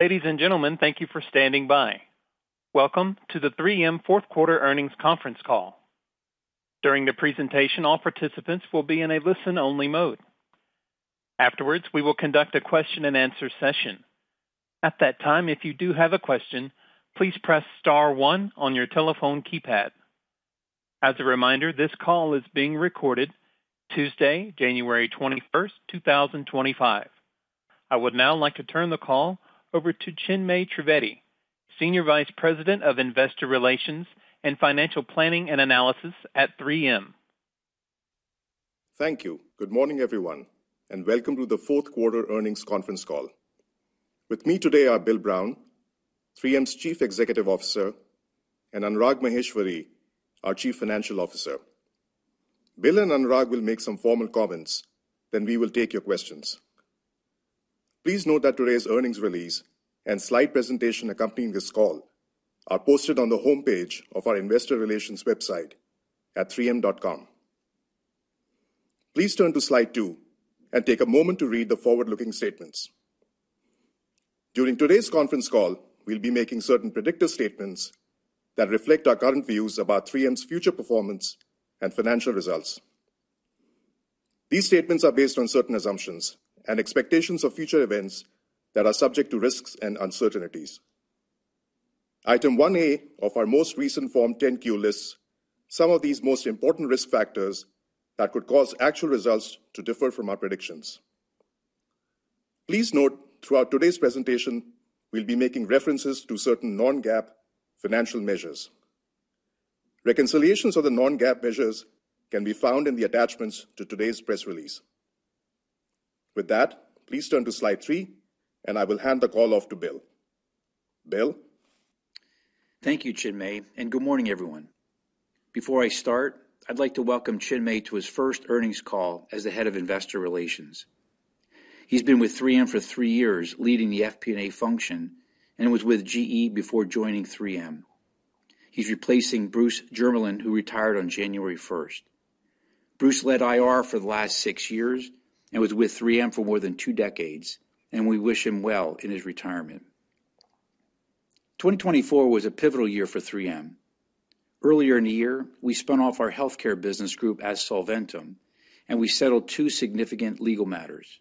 Ladies and gentlemen, thank you for standing by. Welcome to the 3M fourth quarter earnings conference call. During the presentation, all participants will be in a listen-only mode. Afterwards, we will conduct a question-and-answer session. At that time, if you do have a question, please press star one on your telephone keypad. As a reminder, this call is being recorded, Tuesday, January 21st, 2025. I would now like to turn the call over to Chinmay Trivedi, Senior Vice President of Investor Relations and Financial Planning and Analysis at 3M. Thank you. Good morning, everyone, and welcome to the fourth quarter earnings conference call. With me today are Bill Brown, 3M's Chief Executive Officer, and Anurag Maheshwari, our Chief Financial Officer. Bill and Anurag will make some formal comments, then we will take your questions. Please note that today's earnings release and slide presentation accompanying this call are posted on the homepage of our Investor Relations website at 3m.com. Please turn to slide two and take a moment to read the forward-looking statements. During today's conference call, we'll be making certain predictive statements that reflect our current views about 3M's future performance and financial results. These statements are based on certain assumptions and expectations of future events that are subject to risks and uncertainties. Item 1A of our most recent Form 10-Q lists some of these most important risk factors that could cause actual results to differ from our predictions. Please note throughout today's presentation, we'll be making references to certain non-GAAP financial measures. Reconciliations of the non-GAAP measures can be found in the attachments to today's press release. With that, please turn to slide three, and I will hand the call off to Bill. Bill. Thank you, Chinmay, and good morning, everyone. Before I start, I'd like to welcome Chinmay to his first earnings call as the Head of Investor Relations. He's been with 3M for three years, leading the FP&A function, and was with GE before joining 3M. He's replacing Bruce Jermeland, who retired on January 1st. Bruce led IR for the last six years and was with 3M for more than two decades, and we wish him well in his retirement. 2024 was a pivotal year for 3M. Earlier in the year, we spun off our healthcare business group as Solventum, and we settled two significant legal matters.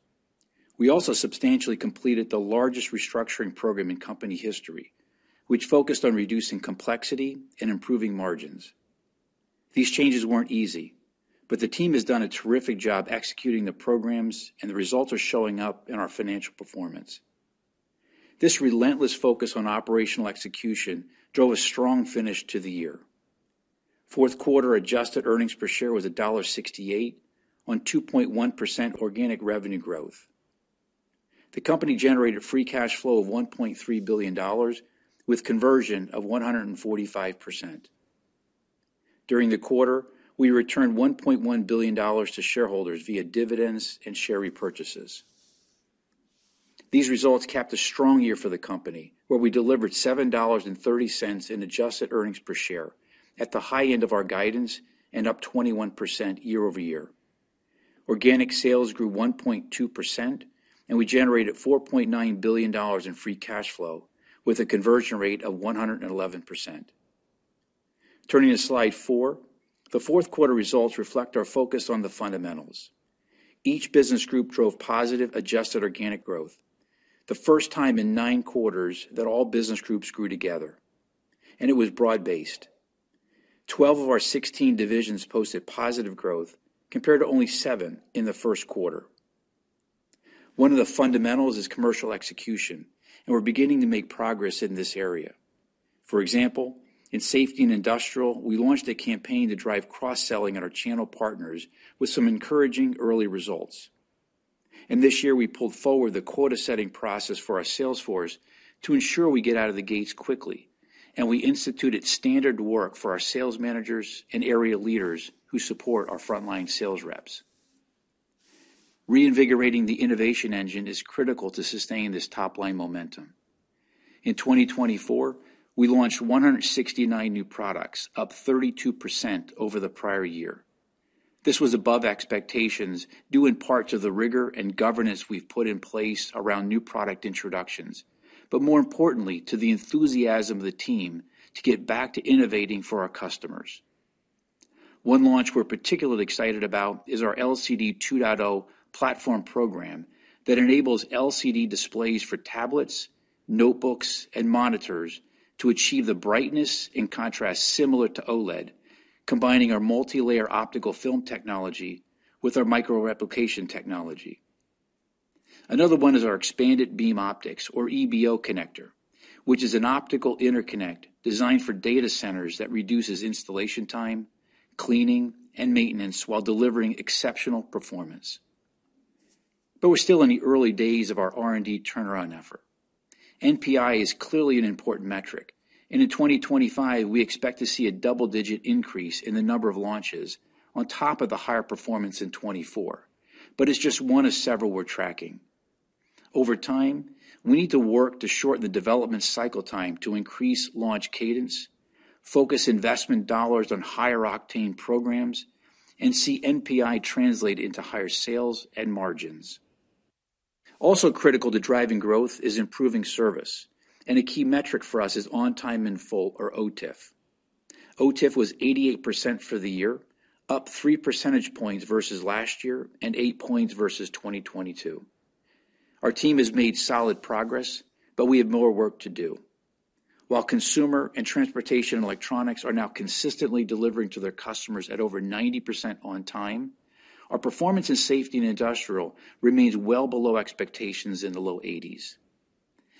We also substantially completed the largest restructuring program in company history, which focused on reducing complexity and improving margins. These changes weren't easy, but the team has done a terrific job executing the programs, and the results are showing up in our financial performance. This relentless focus on operational execution drove a strong finish to the year. Fourth quarter adjusted earnings per share was $1.68, on 2.1% organic revenue growth. The company generated free cash flow of $1.3 billion, with conversion of 145%. During the quarter, we returned $1.1 billion to shareholders via dividends and share repurchases. These results capped a strong year for the company, where we delivered $7.30 in adjusted earnings per share, at the high end of our guidance and up 21% year-over-year. Organic sales grew 1.2%, and we generated $4.9 billion in free cash flow, with a conversion rate of 111%. Turning to slide four, the fourth quarter results reflect our focus on the fundamentals. Each business group drove positive adjusted organic growth, the first time in nine quarters that all business groups grew together, and it was broad-based. 12 of our 16 divisions posted positive growth, compared to only 7 in the first quarter. One of the fundamentals is commercial execution, and we're beginning to make progress in this area. For example, in Safety and Industrial, we launched a campaign to drive cross-selling at our channel partners with some encouraging early results, and this year, we pulled forward the quota-setting process for our sales force to ensure we get out of the gates quickly, and we instituted standard work for our sales managers and area leaders who support our frontline sales reps. Reinvigorating the innovation engine is critical to sustain this top-line momentum. In 2024, we launched 169 new products, up 32% over the prior year. This was above expectations due in part to the rigor and governance we've put in place around new product introductions, but more importantly, to the enthusiasm of the team to get back to innovating for our customers. One launch we're particularly excited about is our LCD 2.0 platform program that enables LCD displays for tablets, notebooks, and monitors to achieve the brightness and contrast similar to OLED, combining our multi-layer optical film technology with our micro-replication technology. Another one is our Expanded Beam Optics, or EBO, connector, which is an optical interconnect designed for data centers that reduces installation time, cleaning, and maintenance while delivering exceptional performance, but we're still in the early days of our R&D turnaround effort. NPI is clearly an important metric, and in 2025, we expect to see a double-digit increase in the number of launches on top of the higher performance in 2024, but it's just one of several we're tracking. Over time, we need to work to shorten the development cycle time to increase launch cadence, focus investment dollars on higher-octane programs, and see NPI translate into higher sales and margins. Also critical to driving growth is improving service, and a key metric for us is on-time in full, or OTIF. OTIF was 88% for the year, up three percentage points versus last year and eight points versus 2022. Our team has made solid progress, but we have more work to do. While Consumer and Transportation Electronics are now consistently delivering to their customers at over 90% on time, our performance in Safety and Industrial remains well below expectations in the low 80s.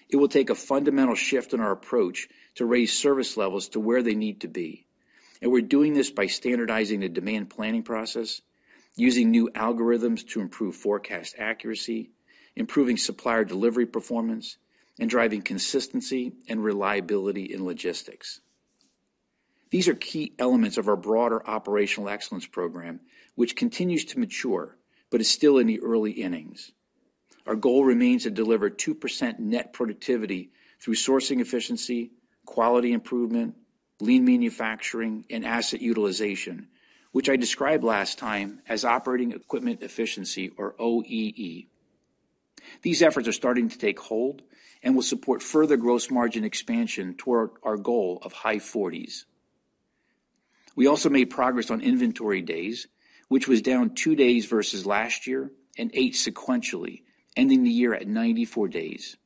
It will take a fundamental shift in our approach to raise service levels to where they need to be, and we're doing this by standardizing the demand planning process, using new algorithms to improve forecast accuracy, improving supplier delivery performance, and driving consistency and reliability in logistics. These are key elements of our broader operational excellence program, which continues to mature but is still in the early innings. Our goal remains to deliver 2% net productivity through sourcing efficiency, quality improvement, lean manufacturing, and asset utilization, which I described last time as operating equipment efficiency, or OEE. These efforts are starting to take hold and will support further gross margin expansion toward our goal of high 40s. We also made progress on inventory days, which was down two days versus last year and eight sequentially, ending the year at 94 days.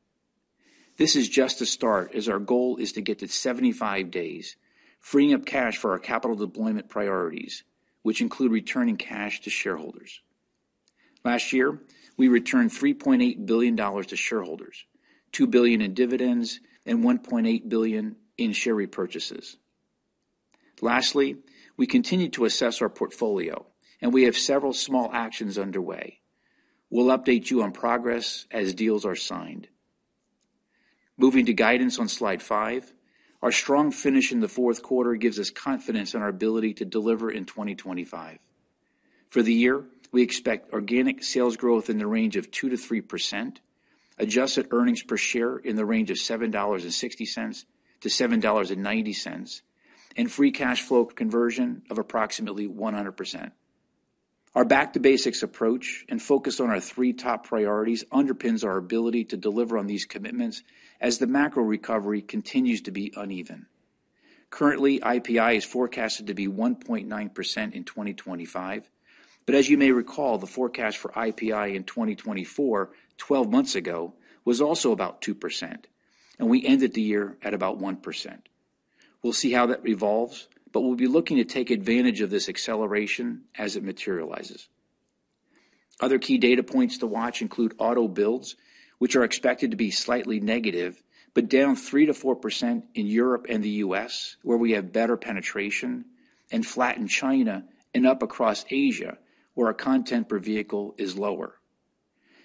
This is just the start, as our goal is to get to 75 days, freeing up cash for our capital deployment priorities, which include returning cash to shareholders. Last year, we returned $3.8 billion to shareholders, $2 billion in dividends, and $1.8 billion in share repurchases. Lastly, we continue to assess our portfolio, and we have several small actions underway. We'll update you on progress as deals are signed. Moving to guidance on slide five, our strong finish in the fourth quarter gives us confidence in our ability to deliver in 2025. For the year, we expect organic sales growth in the range of 2%-3%, adjusted earnings per share in the range of $7.60-$7.90, and free cash flow conversion of approximately 100%. Our back-to-basics approach and focus on our three top priorities underpins our ability to deliver on these commitments as the macro recovery continues to be uneven. Currently, IPI is forecasted to be 1.9% in 2025, but as you may recall, the forecast for IPI in 2024, twelve months ago, was also about 2%, and we ended the year at about 1%. We'll see how that evolves, but we'll be looking to take advantage of this acceleration as it materializes. Other key data points to watch include auto builds, which are expected to be slightly negative but down 3%-4% in Europe and the U.S., where we have better penetration, and flat in China and up across Asia, where our content per vehicle is lower.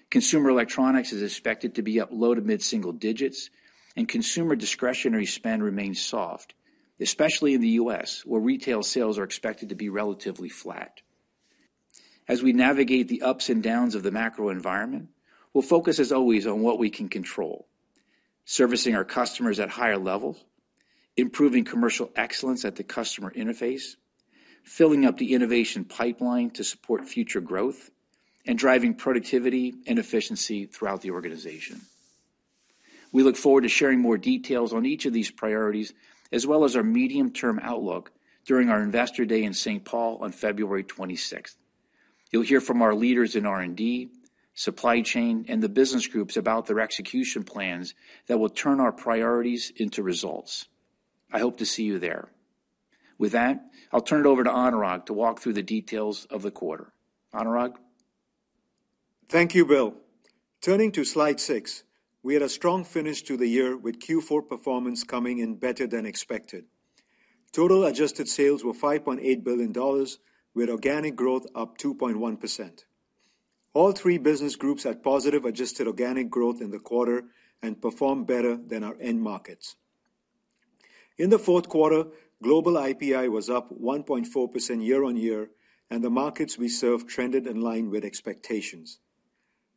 Consumer Electronics is expected to be at low- to mid-single digits, and consumer discretionary spend remains soft, especially in the U.S., where retail sales are expected to be relatively flat. As we navigate the ups and downs of the macro environment, we'll focus, as always, on what we can control: servicing our customers at higher levels, improving commercial excellence at the customer interface, filling up the innovation pipeline to support future growth, and driving productivity and efficiency throughout the organization. We look forward to sharing more details on each of these priorities, as well as our medium-term outlook during our Investor Day in St. Paul on February 26th. You'll hear from our leaders in R&D, supply chain, and the business groups about their execution plans that will turn our priorities into results. I hope to see you there. With that, I'll turn it over to Anurag to walk through the details of the quarter. Anurag. Thank you, Bill. Turning to slide six, we had a strong finish to the year with Q4 performance coming in better than expected. Total adjusted sales were $5.8 billion, with organic growth up 2.1%. All three business groups had positive adjusted organic growth in the quarter and performed better than our end markets. In the fourth quarter, global IPI was up 1.4% year-on-year, and the markets we served trended in line with expectations.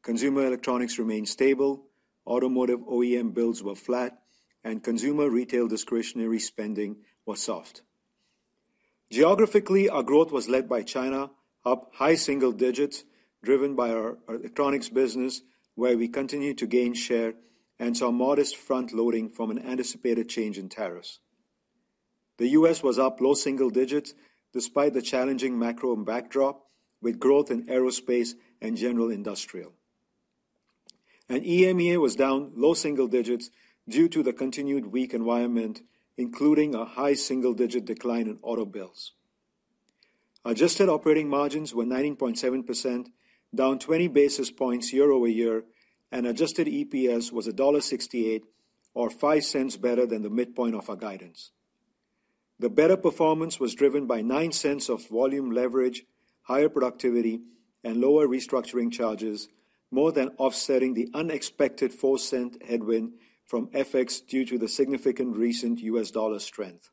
Consumer Electronics remained stable, automotive OEM builds were flat, and consumer retail discretionary spending was soft. Geographically, our growth was led by China, up high single digits, driven by our electronics business, where we continued to gain share and saw modest front-loading from an anticipated change in tariffs. The U.S. was up low single digits despite the challenging macro backdrop, with growth in Aerospace and General Industrial. EMEA was down low single digits due to the continued weak environment, including a high single-digit decline in auto builds. Adjusted operating margins were 19.7%, down 20 basis points year-over-year, and adjusted EPS was $1.68, or $0.05 better than the midpoint of our guidance. The better performance was driven by $0.09 of volume leverage, higher productivity, and lower restructuring charges, more than offsetting the unexpected $0.04 headwind from FX due to the significant recent U.S. dollar strength.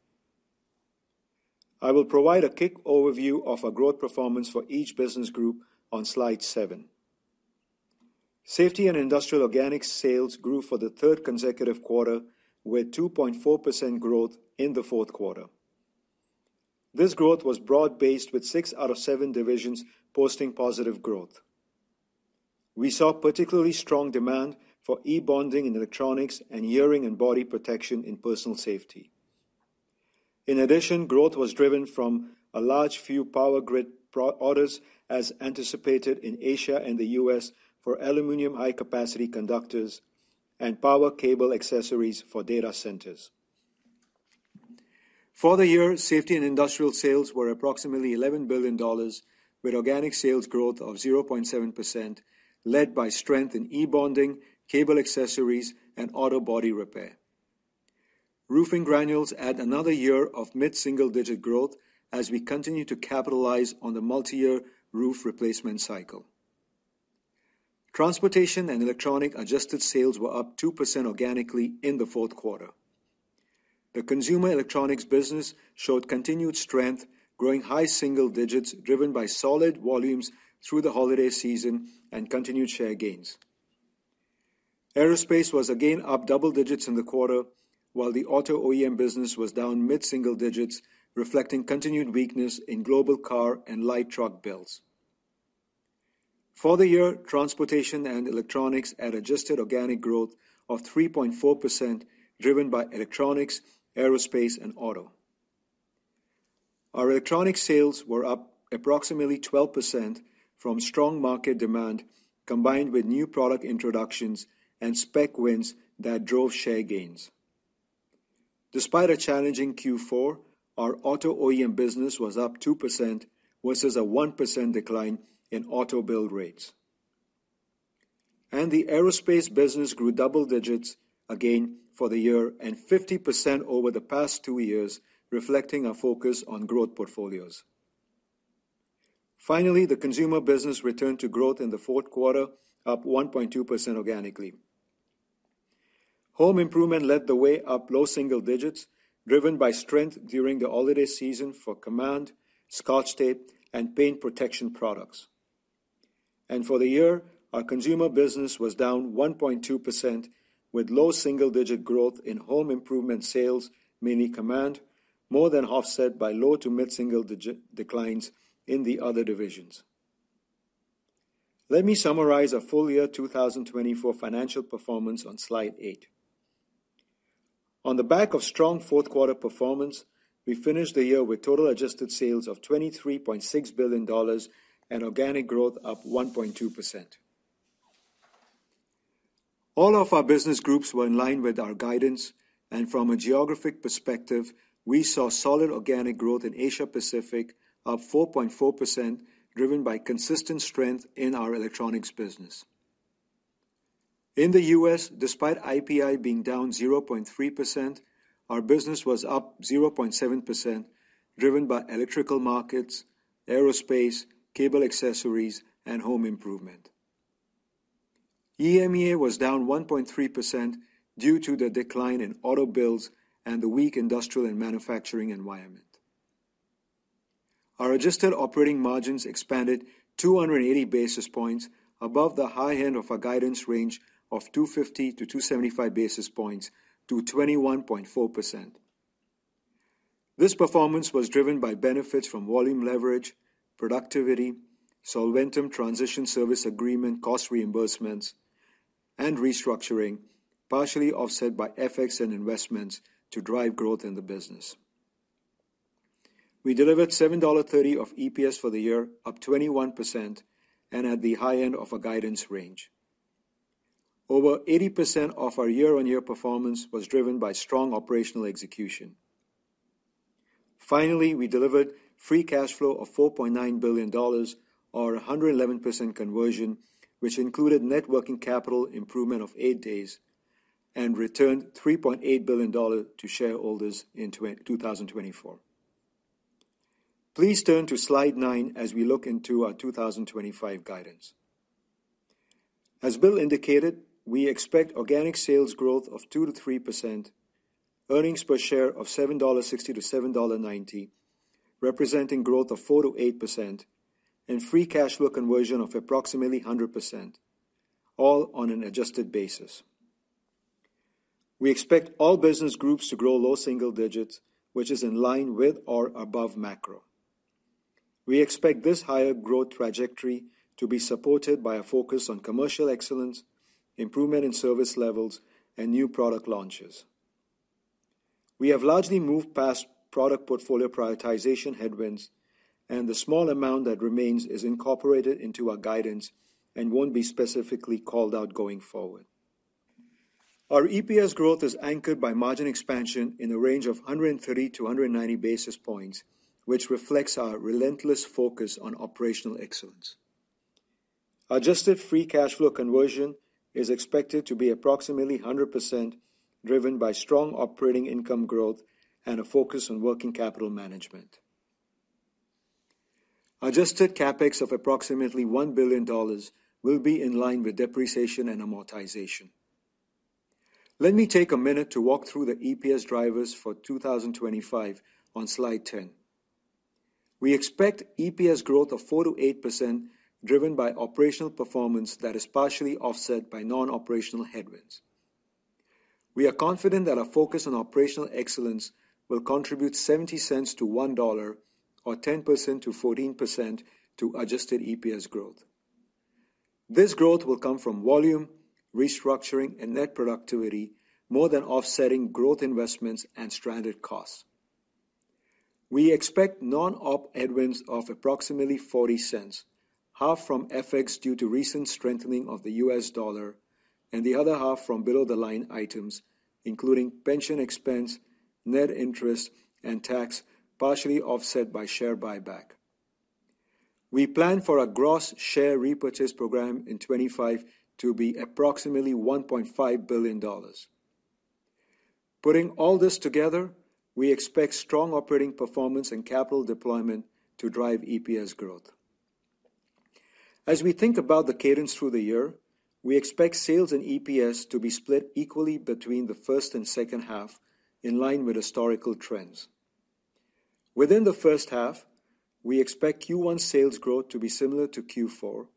I will provide a quick overview of our growth performance for each business group on slide seven. Safety and Industrial organic sales grew for the third consecutive quarter, with 2.4% growth in the fourth quarter. This growth was broad-based, with six out of seven divisions posting positive growth. We saw particularly strong demand for eBonding in electronics and hearing and body protection in Personal Safety. In addition, growth was driven from a large few power grid orders, as anticipated in Asia and the U.S., for aluminum high-capacity conductors and power cable accessories for data centers. For the year, Safety and Industrial sales were approximately $11 billion, with organic sales growth of 0.7%, led by strength in eBonding, cable accessories, and auto body repair. Roofing granules had another year of mid-single-digit growth as we continue to capitalize on the multi-year roof replacement cycle. Transportation and Electronics adjusted sales were up 2% organically in the fourth quarter. The Consumer Electronics business showed continued strength, growing high single digits, driven by solid volumes through the holiday season and continued share gains. Aerospace was again up double digits in the quarter, while the auto OEM business was down mid-single digits, reflecting continued weakness in global car and light truck builds. For the year, Transportation and Electronics had adjusted organic growth of 3.4%, driven by Electronics, Aerospace, and Auto. Our electronic sales were up approximately 12% from strong market demand, combined with new product introductions and spec wins that drove share gains. Despite a challenging Q4, our auto OEM business was up 2% versus a 1% decline in auto build rates, and the Aerospace business grew double digits again for the year and 50% over the past two years, reflecting our focus on growth portfolios. Finally, the Consumer business returned to growth in the fourth quarter, up 1.2% organically. Home Improvement led the way up low single digits, driven by strength during the holiday season for Command, Scotch Tape, and paint protection products. For the year, our Consumer business was down 1.2%, with low single-digit growth in Home Improvement sales, mainly Command, more than offset by low to mid-single declines in the other divisions. Let me summarize our full year 2024 financial performance on slide eight. On the back of strong fourth-quarter performance, we finished the year with total adjusted sales of $23.6 billion and organic growth up 1.2%. All of our business groups were in line with our guidance, and from a geographic perspective, we saw solid organic growth in Asia-Pacific, up 4.4%, driven by consistent strength in our electronics business. In the U.S., despite IPI being down 0.3%, our business was up 0.7%, driven by electrical markets, aerospace, cable accessories, and home improvement. EMEA was down 1.3% due to the decline in auto builds and the weak industrial and manufacturing environment. Our adjusted operating margins expanded 280 basis points above the high end of our guidance range of 250-275 basis points to 21.4%. This performance was driven by benefits from volume leverage, productivity, Solventum transition service agreement cost reimbursements, and restructuring, partially offset by FX and investments to drive growth in the business. We delivered $7.30 of EPS for the year, up 21%, and at the high end of our guidance range. Over 80% of our year-on-year performance was driven by strong operational execution. Finally, we delivered free cash flow of $4.9 billion, or 111% conversion, which included net working capital improvement of eight days and returned $3.8 billion to shareholders in 2024. Please turn to slide nine as we look into our 2025 guidance. As Bill indicated, we expect organic sales growth of 2%-3%, earnings per share of $7.60-$7.90, representing growth of 4%-8%, and free cash flow conversion of approximately 100%, all on an adjusted basis. We expect all business groups to grow low single digits, which is in line with or above macro. We expect this higher growth trajectory to be supported by a focus on commercial excellence, improvement in service levels, and new product launches. We have largely moved past product portfolio prioritization headwinds, and the small amount that remains is incorporated into our guidance and won't be specifically called out going forward. Our EPS growth is anchored by margin expansion in the range of 130-190 basis points, which reflects our relentless focus on operational excellence. Adjusted free cash flow conversion is expected to be approximately 100%, driven by strong operating income growth and a focus on working capital management. Adjusted CapEx of approximately $1 billion will be in line with depreciation and amortization. Let me take a minute to walk through the EPS drivers for 2025 on slide ten. We expect EPS growth of 4%-8%, driven by operational performance that is partially offset by non-operational headwinds. We are confident that our focus on operational excellence will contribute $0.70-$1.00, or 10%-14% to adjusted EPS growth. This growth will come from volume, restructuring, and net productivity, more than offsetting growth investments and stranded costs. We expect non-op headwinds of approximately $0.40, half from FX due to recent strengthening of the U.S. dollar and the other half from below-the-line items, including pension expense, net interest, and tax, partially offset by share buyback. We plan for a gross share repurchase program in 2025 to be approximately $1.5 billion. Putting all this together, we expect strong operating performance and capital deployment to drive EPS growth. As we think about the cadence through the year, we expect sales and EPS to be split equally between the first and second half, in line with historical trends. Within the first half, we expect Q1 sales growth to be similar to Q4,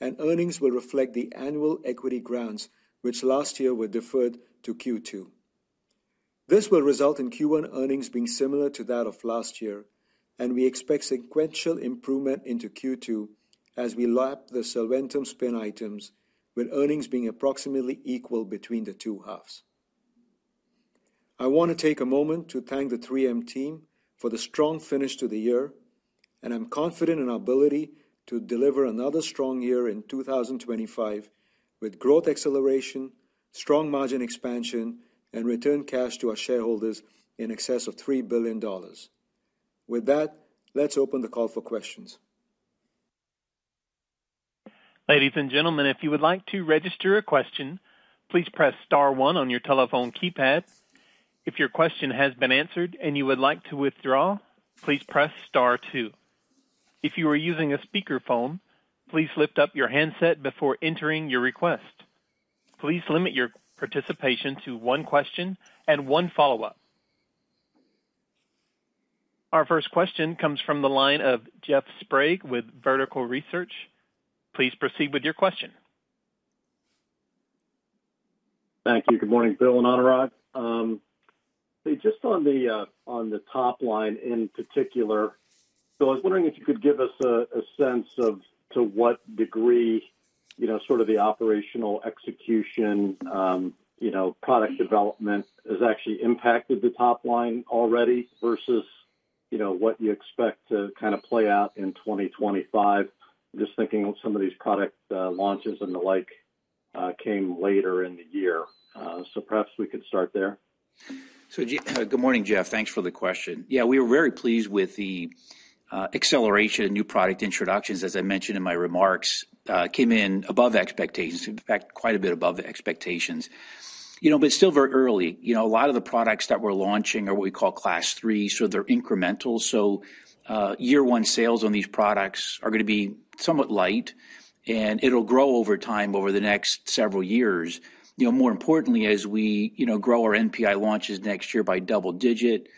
and earnings will reflect the annual equity grants, which last year were deferred to Q2. This will result in Q1 earnings being similar to that of last year, and we expect sequential improvement into Q2 as we lap the Solventum spend items, with earnings being approximately equal between the two halves. I want to take a moment to thank the 3M team for the strong finish to the year, and I'm confident in our ability to deliver another strong year in 2025 with growth acceleration, strong margin expansion, and return cash to our shareholders in excess of $3 billion. With that, let's open the call for questions. Ladies and gentlemen, if you would like to register a question, please press star one on your telephone keypad. If your question has been answered and you would like to withdraw, please press star two. If you are using a speakerphone, please lift up your handset before entering your request. Please limit your participation to one question and one follow-up. Our first question comes from the line of Jeff Sprague with Vertical Research. Please proceed with your question. Thank you. Good morning, Bill and Anurag. Just on the top line in particular, Bill, I was wondering if you could give us a sense of to what degree sort of the operational execution, product development has actually impacted the top line already versus what you expect to kind of play out in 2025. I'm just thinking of some of these product launches and the like came later in the year. So perhaps we could start there. Good morning, Jeff. Thanks for the question. Yeah, we are very pleased with the acceleration in new product introductions, as I mentioned in my remarks, came in above expectations, in fact, quite a bit above expectations. But it's still very early. A lot of the products that we're launching are what we call Class 3, so they're incremental. So year-one sales on these products are going to be somewhat light, and it'll grow over time over the next several years. More importantly, as we grow our NPI launches next year by double-digit,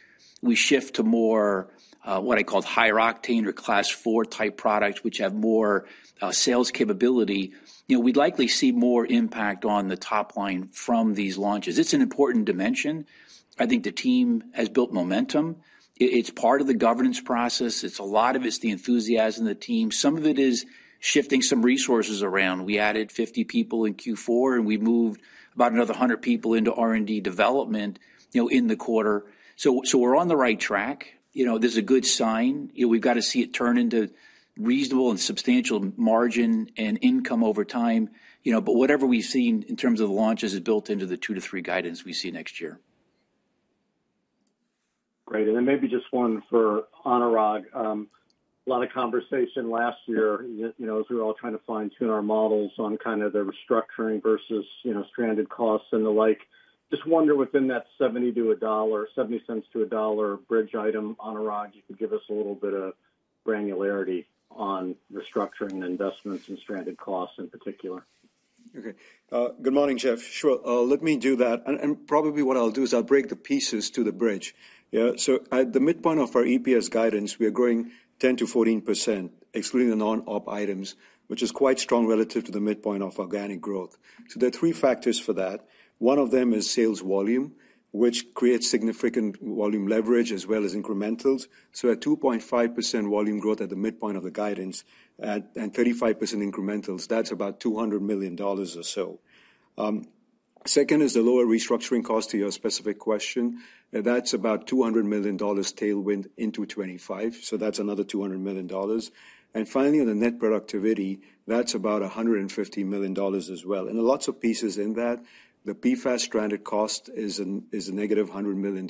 we shift to more what I call high-octane or Class 4 type products, which have more sales capability. We'd likely see more impact on the top line from these launches. It's an important dimension. I think the team has built momentum. It's part of the governance process. It's a lot of it. It's the enthusiasm of the team. Some of it is shifting some resources around. We added 50 people in Q4, and we moved about another 100 people into R&D development in the quarter. So we're on the right track. This is a good sign. We've got to see it turn into reasonable and substantial margin and income over time. But whatever we've seen in terms of the launches is built into the two to three guidance we see next year. Great. And then maybe just one for Anurag. A lot of conversation last year as we were all trying to fine-tune our models on kind of the restructuring versus stranded costs and the like. Just wonder within that $0.70-$1 bridge item, Anurag, if you could give us a little bit of granularity on restructuring investments and stranded costs in particular. Okay. Good morning, Jeff. Sure. Let me do that. Probably what I'll do is I'll break the pieces to the bridge. At the midpoint of our EPS guidance, we are growing 10%-14%, excluding the non-op items, which is quite strong relative to the midpoint of organic growth. There are three factors for that. One of them is sales volume, which creates significant volume leverage as well as incrementals. At 2.5% volume growth at the midpoint of the guidance and 35% incrementals, that's about $200 million or so. Second is the lower restructuring cost to your specific question. That's about $200 million tailwind into 2025. That's another $200 million. Finally, on the net productivity, that's about $150 million as well. Lots of pieces in that. The PFAS stranded cost is a negative $100 million.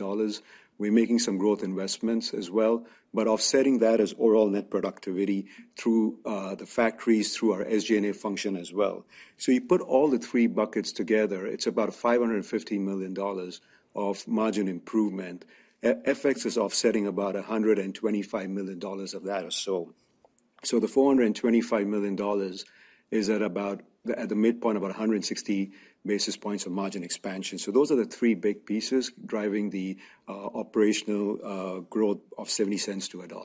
We're making some growth investments as well, but offsetting that as overall net productivity through the factories, through our SG&A function as well. So you put all the three buckets together, it's about $550 million of margin improvement. FX is offsetting about $125 million of that or so. So the $425 million is at about at the midpoint, about 160 basis points of margin expansion. So those are the three big pieces driving the operational growth of $0.70-$1.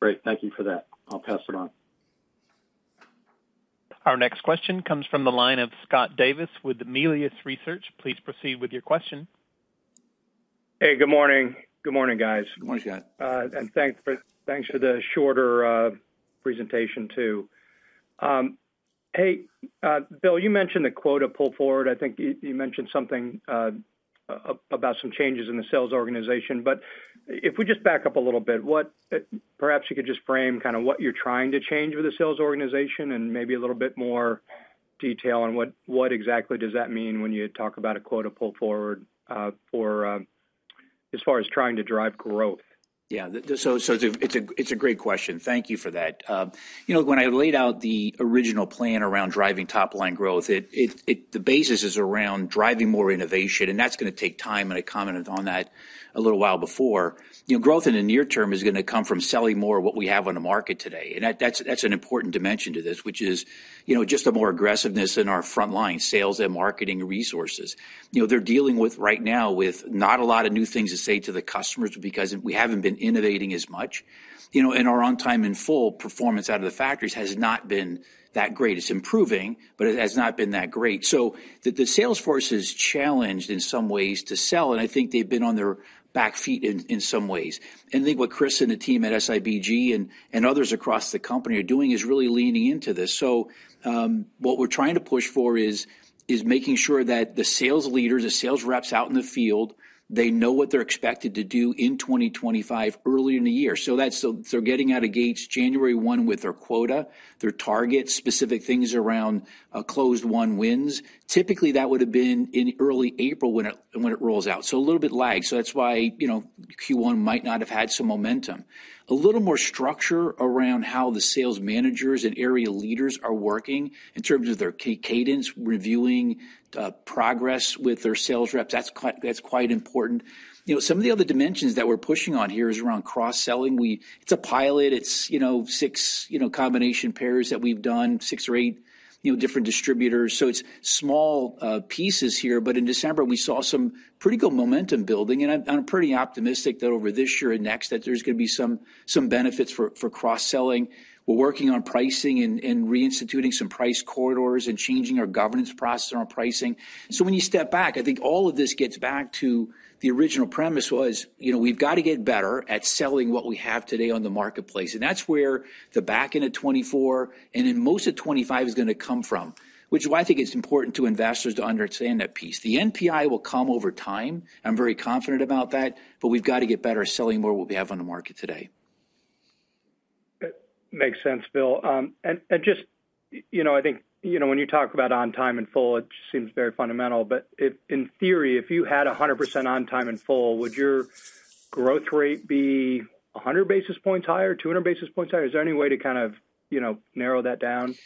Great. Thank you for that. I'll pass it on. Our next question comes from the line of Scott Davis with Melius Research. Please proceed with your question. Hey, good morning. Good morning, guys. Good morning, Scott. Thanks for the shorter presentation, too. Hey, Bill, you mentioned the quota pull forward. I think you mentioned something about some changes in the sales organization. If we just back up a little bit, perhaps you could just frame kind of what you're trying to change with the sales organization and maybe a little bit more detail on what exactly does that mean when you talk about a quota pull forward as far as trying to drive growth? Yeah. So it's a great question. Thank you for that. When I laid out the original plan around driving top line growth, the basis is around driving more innovation. And that's going to take time, and I commented on that a little while before. Growth in the near term is going to come from selling more of what we have on the market today. And that's an important dimension to this, which is just the more aggressiveness in our front-line sales and marketing resources. They're dealing with right now with not a lot of new things to say to the customers because we haven't been innovating as much. And our on-time in full performance out of the factories has not been that great. It's improving, but it has not been that great. So the sales force is challenged in some ways to sell, and I think they've been on their back feet in some ways. And I think what Chris and the team at SIBG and others across the company are doing is really leaning into this. So what we're trying to push for is making sure that the sales leaders, the sales reps out in the field, they know what they're expected to do in 2025 early in the year. So they're getting out of the gate January 1 with their quota, their targets, specific things around closed-won wins. Typically, that would have been in early April when it rolls out. So that's why Q1 might not have had some momentum. A little more structure around how the sales managers and area leaders are working in terms of their cadence, reviewing progress with their sales reps. That's quite important. Some of the other dimensions that we're pushing on here is around cross-selling. It's a pilot. It's six combination pairs that we've done, six or eight different distributors. So it's small pieces here. But in December, we saw some pretty good momentum building. And I'm pretty optimistic that over this year and next, that there's going to be some benefits for cross-selling. We're working on pricing and reinstituting some price corridors and changing our governance process around pricing. So when you step back, I think all of this gets back to the original premise was we've got to get better at selling what we have today on the marketplace. And that's where the back end of 2024 and in most of 2025 is going to come from, which is why I think it's important to investors to understand that piece. The NPI will come over time. I'm very confident about that. But we've got to get better at selling more what we have on the market today. Makes sense, Bill. And just I think when you talk about on-time and full, it just seems very fundamental. But in theory, if you had 100% on-time and full, would your growth rate be 100 basis points higher, 200 basis points higher? Is there any way to kind of narrow that down?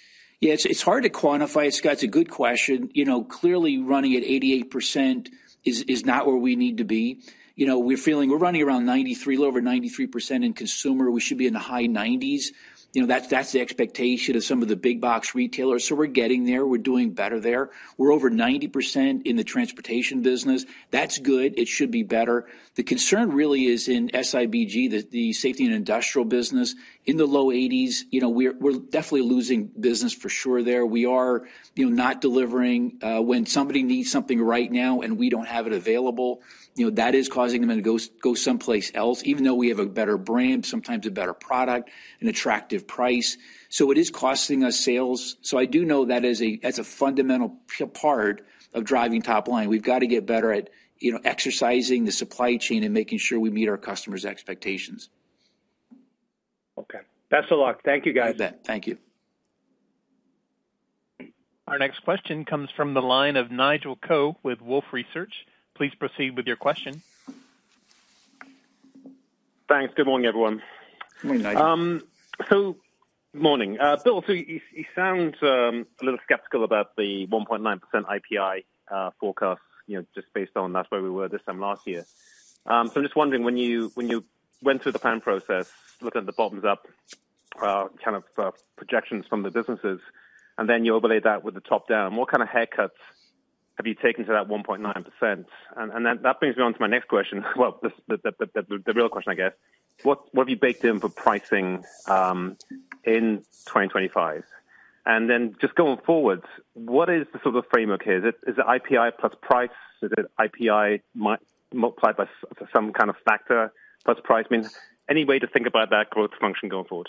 Yeah, it's hard to quantify, Scott. It's a good question. Clearly, running at 88% is not where we need to be. We're feeling we're running around 93%, a little over 93% in Consumer. We should be in the high 90s. That's the expectation of some of the big box retailers. So we're getting there. We're doing better there. We're over 90% in the transportation business. That's good. It should be better. The concern really is in SIBG, the Safety and Industrial business, in the low 80s. We're definitely losing business for sure there. We are not delivering. When somebody needs something right now and we don't have it available, that is causing them to go someplace else, even though we have a better brand, sometimes a better product, an attractive price. So it is costing us sales. So I do know that as a fundamental part of driving top line, we've got to get better at executing the supply chain and making sure we meet our customers' expectations. Okay. Best of luck. Thank you, guys. Thank you. Our next question comes from the line of Nigel Coe with Wolfe Research. Please proceed with your question. Thanks. Good morning, everyone. Good morning, Nigel. So good morning. Bill, so you sound a little skeptical about the 1.9% IPI forecast just based on that's where we were this time last year. So I'm just wondering, when you went through the plan process, looked at the bottoms-up kind of projections from the businesses, and then you overlaid that with the top-down, what kind of haircuts have you taken to that 1.9%? And that brings me on to my next question, well, the real question, I guess. What have you baked in for pricing in 2025? And then just going forward, what is the sort of framework here? Is it IPI plus price? Is it IPI multiplied by some kind of factor plus price? I mean, any way to think about that growth function going forward?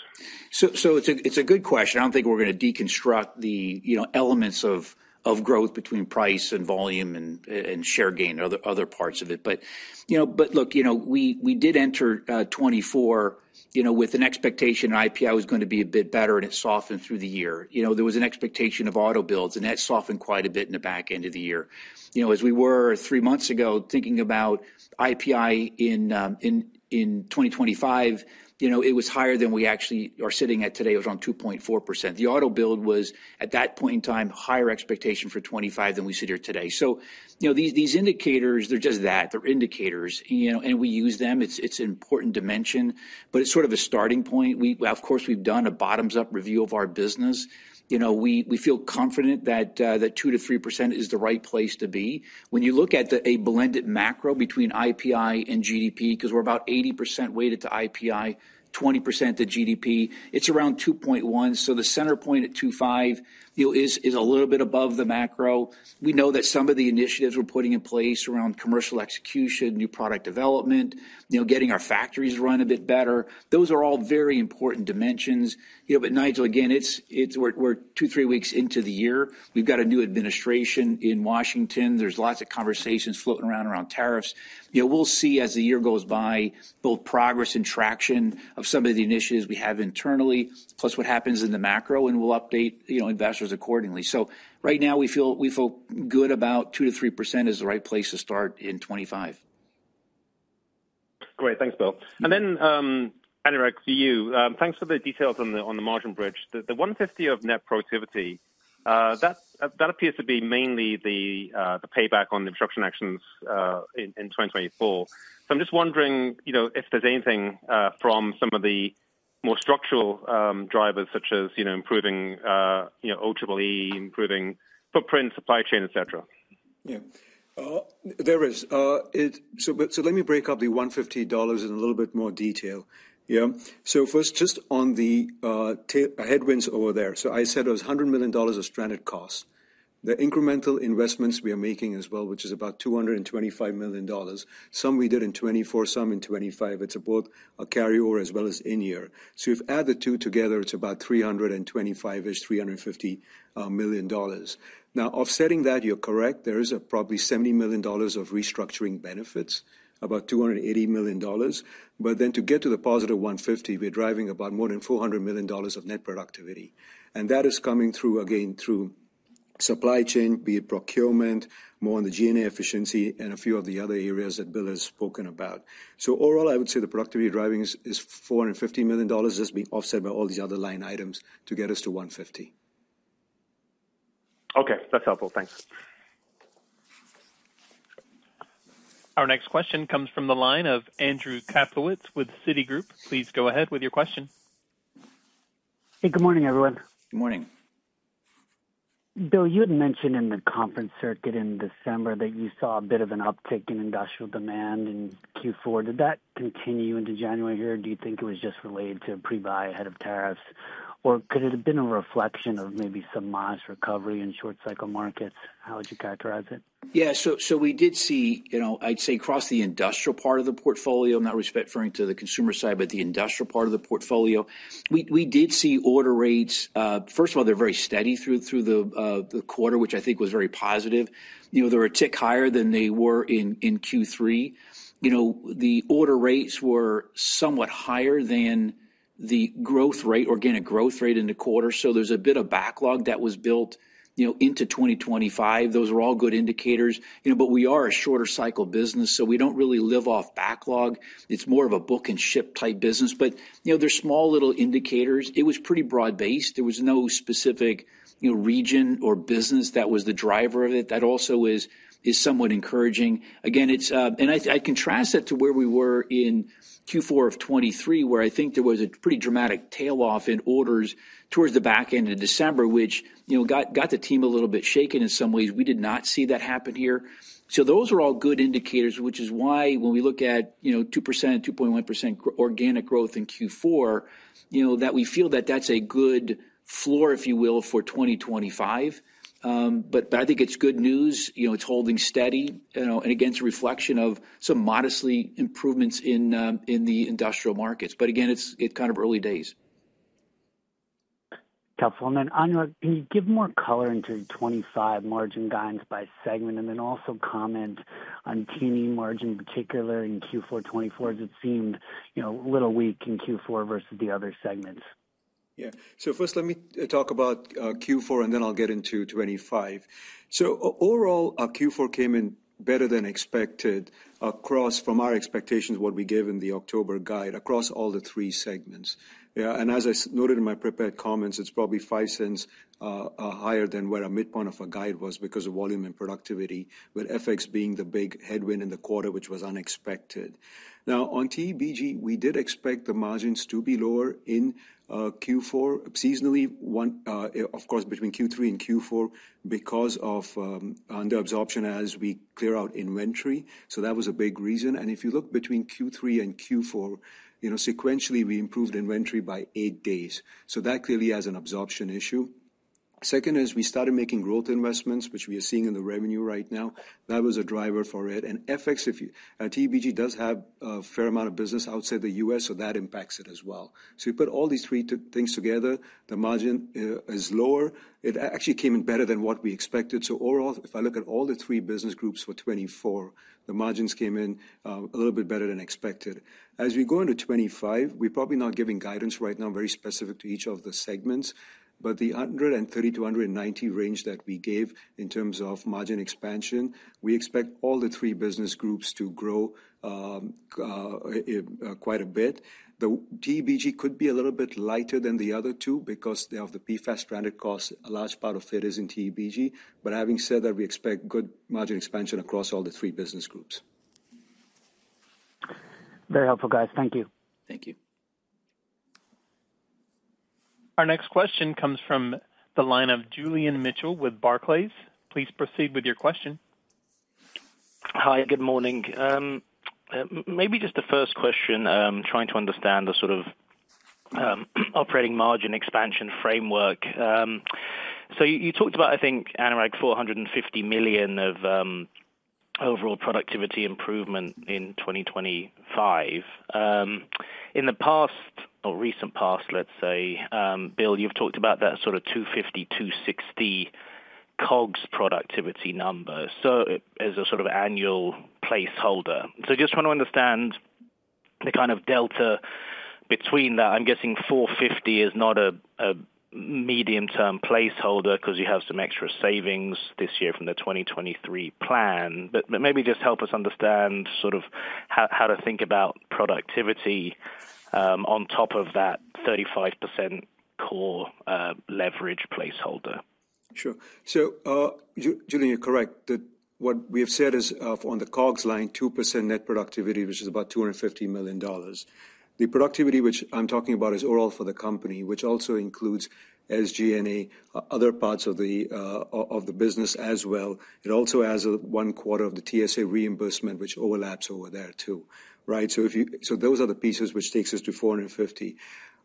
So it's a good question. I don't think we're going to deconstruct the elements of growth between price and volume and share gain and other parts of it. But look, we did enter 2024 with an expectation IPI was going to be a bit better, and it softened through the year. There was an expectation of auto builds, and that softened quite a bit in the back end of the year. As we were three months ago thinking about IPI in 2025, it was higher than we actually are sitting at today. It was around 2.4%. The auto build was, at that point in time, higher expectation for 2025 than we sit here today. So these indicators, they're just that. They're indicators. And we use them. It's an important dimension, but it's sort of a starting point. Of course, we've done a bottoms-up review of our business. We feel confident that 2%-3% is the right place to be. When you look at a blended macro between IPI and GDP, because we're about 80% weighted to IPI, 20% to GDP, it's around 2.1%. So the center point at 2.5% is a little bit above the macro. We know that some of the initiatives we're putting in place around commercial execution, new product development, getting our factories run a bit better. Those are all very important dimensions. But Nigel, again, we're two, three weeks into the year. We've got a new administration in Washington. There's lots of conversations floating around tariffs. We'll see as the year goes by both progress and traction of some of the initiatives we have internally, plus what happens in the macro, and we'll update investors accordingly. Right now, we feel good about 2%-3% is the right place to start in 2025. Great. Thanks, Bill. And then Anurag, for you, thanks for the details on the margin bridge. The $150 million of net productivity, that appears to be mainly the payback on the restructuring actions in 2024. So I'm just wondering if there's anything from some of the more structural drivers, such as improving OEE, improving footprint, supply chain, etc. Yeah. There is. So let me break up the $150 million in a little bit more detail. So first, just on the headwinds over there. So I said it was $100 million of stranded costs. The incremental investments we are making as well, which is about $225 million. Some we did in 2024, some in 2025. It's both a carryover as well as in year. So if you add the two together, it's about $325 million-ish, $350 million. Now, offsetting that, you're correct. There is probably $70 million of restructuring benefits, about $280 million. But then to get to the +$150 million, we're driving about more than $400 million of net productivity. And that is coming through, again, through supply chain, be it procurement, more on the G&A efficiency, and a few of the other areas that Bill has spoken about. Overall, I would say the productivity driving is $450 million just being offset by all these other line items to get us to $150 million. Okay. That's helpful. Thanks. Our next question comes from the line of Andrew Kaplowitz with Citigroup. Please go ahead with your question. Hey, good morning, everyone. Good morning. Bill, you had mentioned in the conference circuit in December that you saw a bit of an uptick in industrial demand in Q4. Did that continue into January here? Do you think it was just related to pre-buy ahead of tariffs? Or could it have been a reflection of maybe some modest recovery in short-cycle markets? How would you characterize it? Yeah. So we did see, I'd say, across the industrial part of the portfolio, and that was referring to the Consumer side, but the industrial part of the portfolio, we did see order rates. First of all, they're very steady through the quarter, which I think was very positive. They were a tick higher than they were in Q3. The order rates were somewhat higher than the growth rate, organic growth rate in the quarter. So there's a bit of backlog that was built into 2025. Those were all good indicators. But we are a shorter-cycle business, so we don't really live off backlog. It's more of a book and ship type business. But there's small little indicators. It was pretty broad-based. There was no specific region or business that was the driver of it. That also is somewhat encouraging. Again, and I contrast that to where we were in Q4 of 2023, where I think there was a pretty dramatic tail off in orders towards the back end of December, which got the team a little bit shaken in some ways. We did not see that happen here. So those are all good indicators, which is why when we look at 2%, 2.1% organic growth in Q4, that we feel that that's a good floor, if you will, for 2025. But I think it's good news. It's holding steady and against a reflection of some modest improvements in the industrial markets. But again, it's kind of early days. Helpful. And then Anurag, can you give more color into 2025 margin guidance by segment and then also comment on T&E margin in particular in Q4 2024 as it seemed a little weak in Q4 versus the other segments? Yeah. So first, let me talk about Q4, and then I'll get into 2025. So overall, Q4 came in better than expected across from our expectations, what we gave in the October guide across all the three segments. And as I noted in my prepared comments, it's probably $0.05 higher than what a midpoint of a guide was because of volume and productivity, with FX being the big headwind in the quarter, which was unexpected. Now, on TEBG, we did expect the margins to be lower in Q4, seasonally, of course, between Q3 and Q4 because of under absorption as we clear out inventory. So that was a big reason. And if you look between Q3 and Q4, sequentially, we improved inventory by eight days. So that clearly has an absorption issue. Second is we started making growth investments, which we are seeing in the revenue right now. That was a driver for it, and FX, TEBG does have a fair amount of business outside the U.S., so that impacts it as well. So you put all these three things together, the margin is lower. It actually came in better than what we expected. So overall, if I look at all the three business groups for 2024, the margins came in a little bit better than expected. As we go into 2025, we're probably not giving guidance right now, very specific to each of the segments. But the 130-190 range that we gave in terms of margin expansion, we expect all the three business groups to grow quite a bit. The TEBG could be a little bit lighter than the other two because of the PFAS stranded costs. A large part of it is in TEBG. But having said that, we expect good margin expansion across all the three business groups. Very helpful, guys. Thank you. Thank you. Our next question comes from the line of Julian Mitchell with Barclays. Please proceed with your question. Hi, good morning. Maybe just the first question, trying to understand the sort of operating margin expansion framework. So you talked about, I think, Anurag, $450 million of overall productivity improvement in 2025. In the past, or recent past, let's say, Bill, you've talked about that sort of 250-260 COGS productivity number. So as a sort of annual placeholder. So just trying to understand the kind of delta between that. I'm guessing 450 is not a medium-term placeholder because you have some extra savings this year from the 2023 plan. But maybe just help us understand sort of how to think about productivity on top of that 35% core leverage placeholder. Sure. So Julian, you're correct. What we have said is on the COGS line, 2% net productivity, which is about $250 million. The productivity which I'm talking about is overall for the company, which also includes SG&A, other parts of the business as well. It also has one quarter of the TSA reimbursement, which overlaps over there too. Right? So those are the pieces which takes us to $450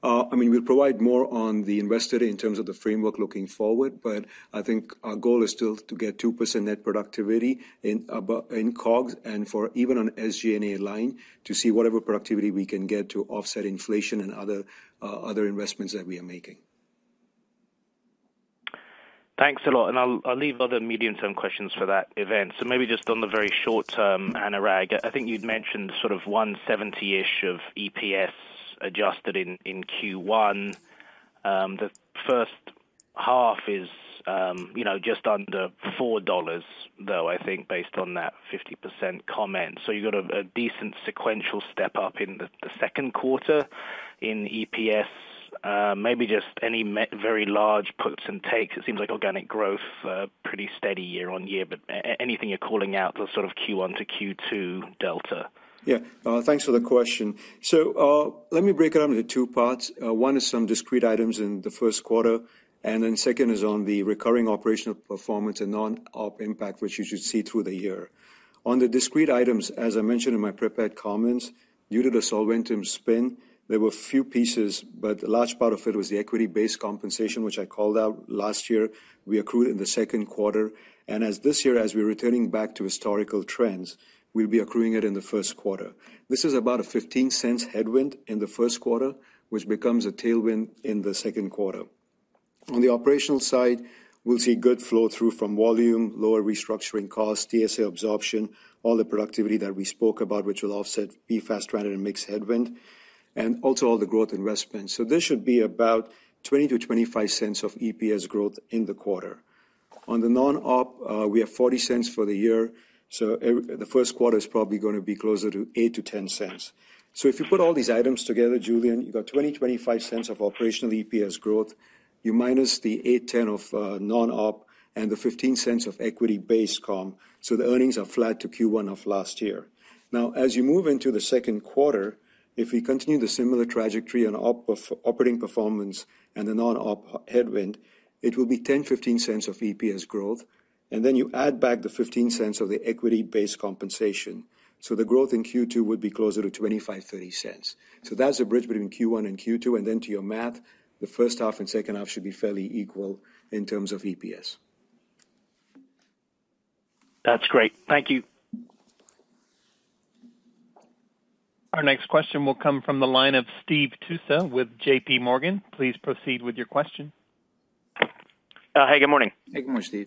million. I mean, we'll provide more on the investor in terms of the framework looking forward, but I think our goal is still to get 2% net productivity in COGS and for even on SG&A line to see whatever productivity we can get to offset inflation and other investments that we are making. Thanks a lot. And I'll leave other medium-term questions for that event. So maybe just on the very short term, Anurag, I think you'd mentioned sort of $1.70-ish of EPS adjusted in Q1. The first half is just under $4, though, I think, based on that 50% comment. So you've got a decent sequential step up in the second quarter in EPS. Maybe just any very large puts and takes. It seems like organic growth, pretty steady year-on-year, but anything you're calling out the sort of Q1 to Q2 delta. Yeah. Thanks for the question. So let me break it up into two parts. One is some discrete items in the first quarter, and then second is on the recurring operational performance and non-op impact, which you should see through the year. On the discrete items, as I mentioned in my prepared comments, due to the Solventum spin, there were a few pieces, but a large part of it was the equity-based compensation, which I called out last year. We accrued in the second quarter. And as this year, as we're returning back to historical trends, we'll be accruing it in the first quarter. This is about a $0.15 headwind in the first quarter, which becomes a tailwind in the second quarter. On the operational side, we'll see good flow through from volume, lower restructuring costs, TSA absorption, all the productivity that we spoke about, which will offset PFAS stranded and mixed headwind, and also all the growth investments. So this should be about $0.20-$0.25 of EPS growth in the quarter. On the non-op, we have $0.40 for the year. So the first quarter is probably going to be closer to $0.08-$0.10. So if you put all these items together, Julian, you've got $0.20-$0.25 of operational EPS growth, you minus the $0.08-$0.10 of non-op and the $0.15 of equity-based comp. So the earnings are flat to Q1 of last year. Now, as you move into the second quarter, if we continue the similar trajectory on operating performance and the non-op headwind, it will be $0.10-$0.15 of EPS growth. And then you add back the $0.15 of the equity-based compensation. So the growth in Q2 would be closer to $0.25-$0.30. So that's the bridge between Q1 and Q2. And then to your math, the first half and second half should be fairly equal in terms of EPS. That's great. Thank you. Our next question will come from the line of Steve Tusa with JPMorgan. Please proceed with your question. Hey, good morning. Hey, good morning, Steve.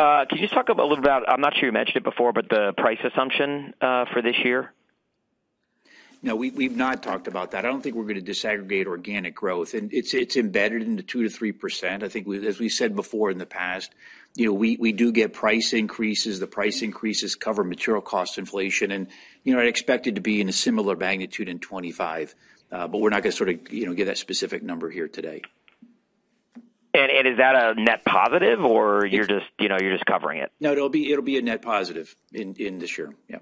Can you just talk a little bit about, I'm not sure you mentioned it before, but the price assumption for this year? No, we've not talked about that. I don't think we're going to disaggregate organic growth. And it's embedded in the 2%-3%. I think, as we said before in the past, we do get price increases. The price increases cover material cost inflation. And I expect it to be in a similar magnitude in 2025, but we're not going to sort of give that specific number here today. Is that a net positive, or you're just covering it? No, it'll be a net positive in this year. Yeah.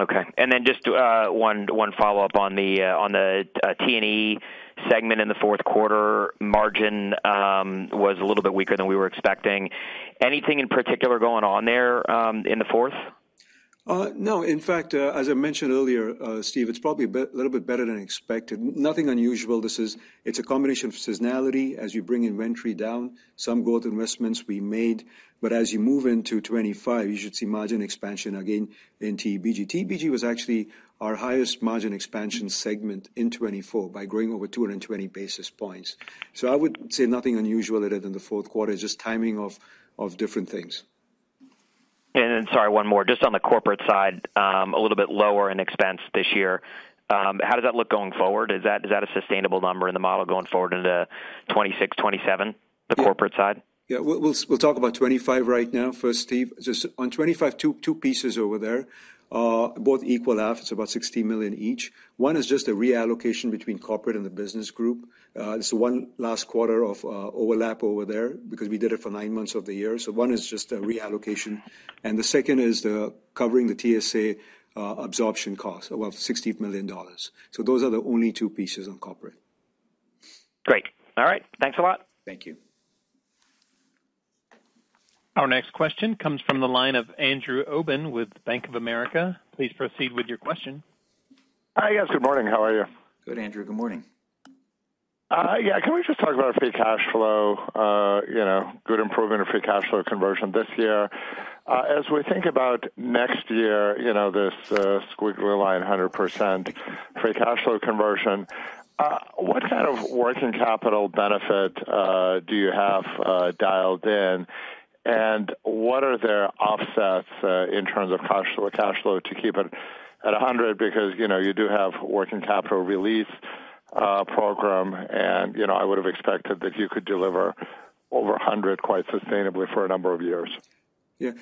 Okay. And then just one follow-up on the T&E segment in the fourth quarter, margin was a little bit weaker than we were expecting. Anything in particular going on there in the fourth? No. In fact, as I mentioned earlier, Steve, it's probably a little bit better than expected. Nothing unusual. It's a combination of seasonality, as you bring inventory down, some growth investments we made. But as you move into 2025, you should see margin expansion again in TEBG. TEBG was actually our highest margin expansion segment in 2024 by growing over 220 basis points. So I would say nothing unusual other than the fourth quarter is just timing of different things. Sorry, one more. Just on the corporate side, a little bit lower in expense this year. How does that look going forward? Is that a sustainable number in the model going forward into 2026, 2027, the corporate side? Yeah. We'll talk about 2025 right now first, Steve. Just on 2025, two pieces over there, both equal half. It's about $60 million each. One is just a reallocation between corporate and the business group. It's one last quarter of overlap over there because we did it for nine months of the year. So one is just a reallocation. And the second is covering the TSA absorption costs of $60 million. So those are the only two pieces on corporate. Great. All right. Thanks a lot. Thank you. Our next question comes from the line of Andrew Obin with Bank of America. Please proceed with your question. Hi, guys. Good morning. How are you? Good, Andrew. Good morning. Yeah. Can we just talk about free cash flow, good improvement of free cash flow conversion this year? As we think about next year, this squiggly line 100% free cash flow conversion, what kind of working capital benefit do you have dialed in? And what are their offsets in terms of cash flow to keep it at 100% because you do have working capital release program? And I would have expected that you could deliver over 100% quite sustainably for a number of years. Yeah.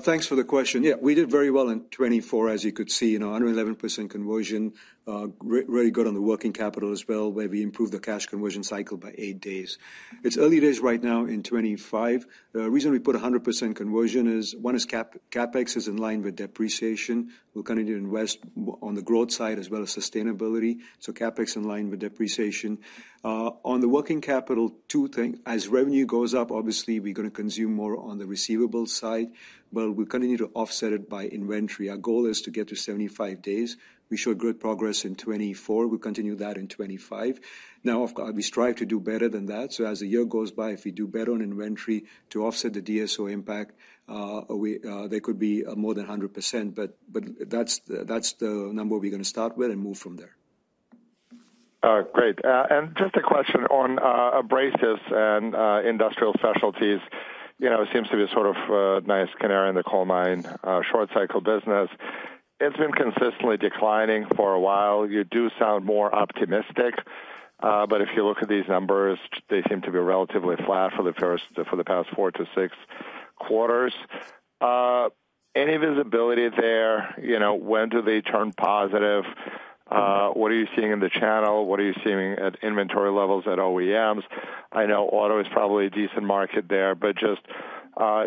Thanks for the question. Yeah. We did very well in 2024, as you could see, 111% conversion, really good on the working capital as well. Maybe improve the cash conversion cycle by eight days. It's early days right now in 2025. The reason we put 100% conversion is one is CapEx is in line with depreciation. We'll continue to invest on the growth side as well as sustainability. So CapEx in line with depreciation. On the working capital, two things. As revenue goes up, obviously, we're going to consume more on the receivable side, but we'll continue to offset it by inventory. Our goal is to get to 75 days. We showed good progress in 2024. We'll continue that in 2025. Now, we strive to do better than that. So as the year goes by, if we do better on inventory to offset the DSO impact, they could be more than 100%. But that's the number we're going to start with and move from there. Great. And just a question on abrasives and industrial specialties. It seems to be a sort of nice canary in the coal mine, short-cycle business. It's been consistently declining for a while. You do sound more optimistic. But if you look at these numbers, they seem to be relatively flat for the past four to six quarters. Any visibility there? When do they turn positive? What are you seeing in the channel? What are you seeing at inventory levels at OEMs? I know auto is probably a decent market there, but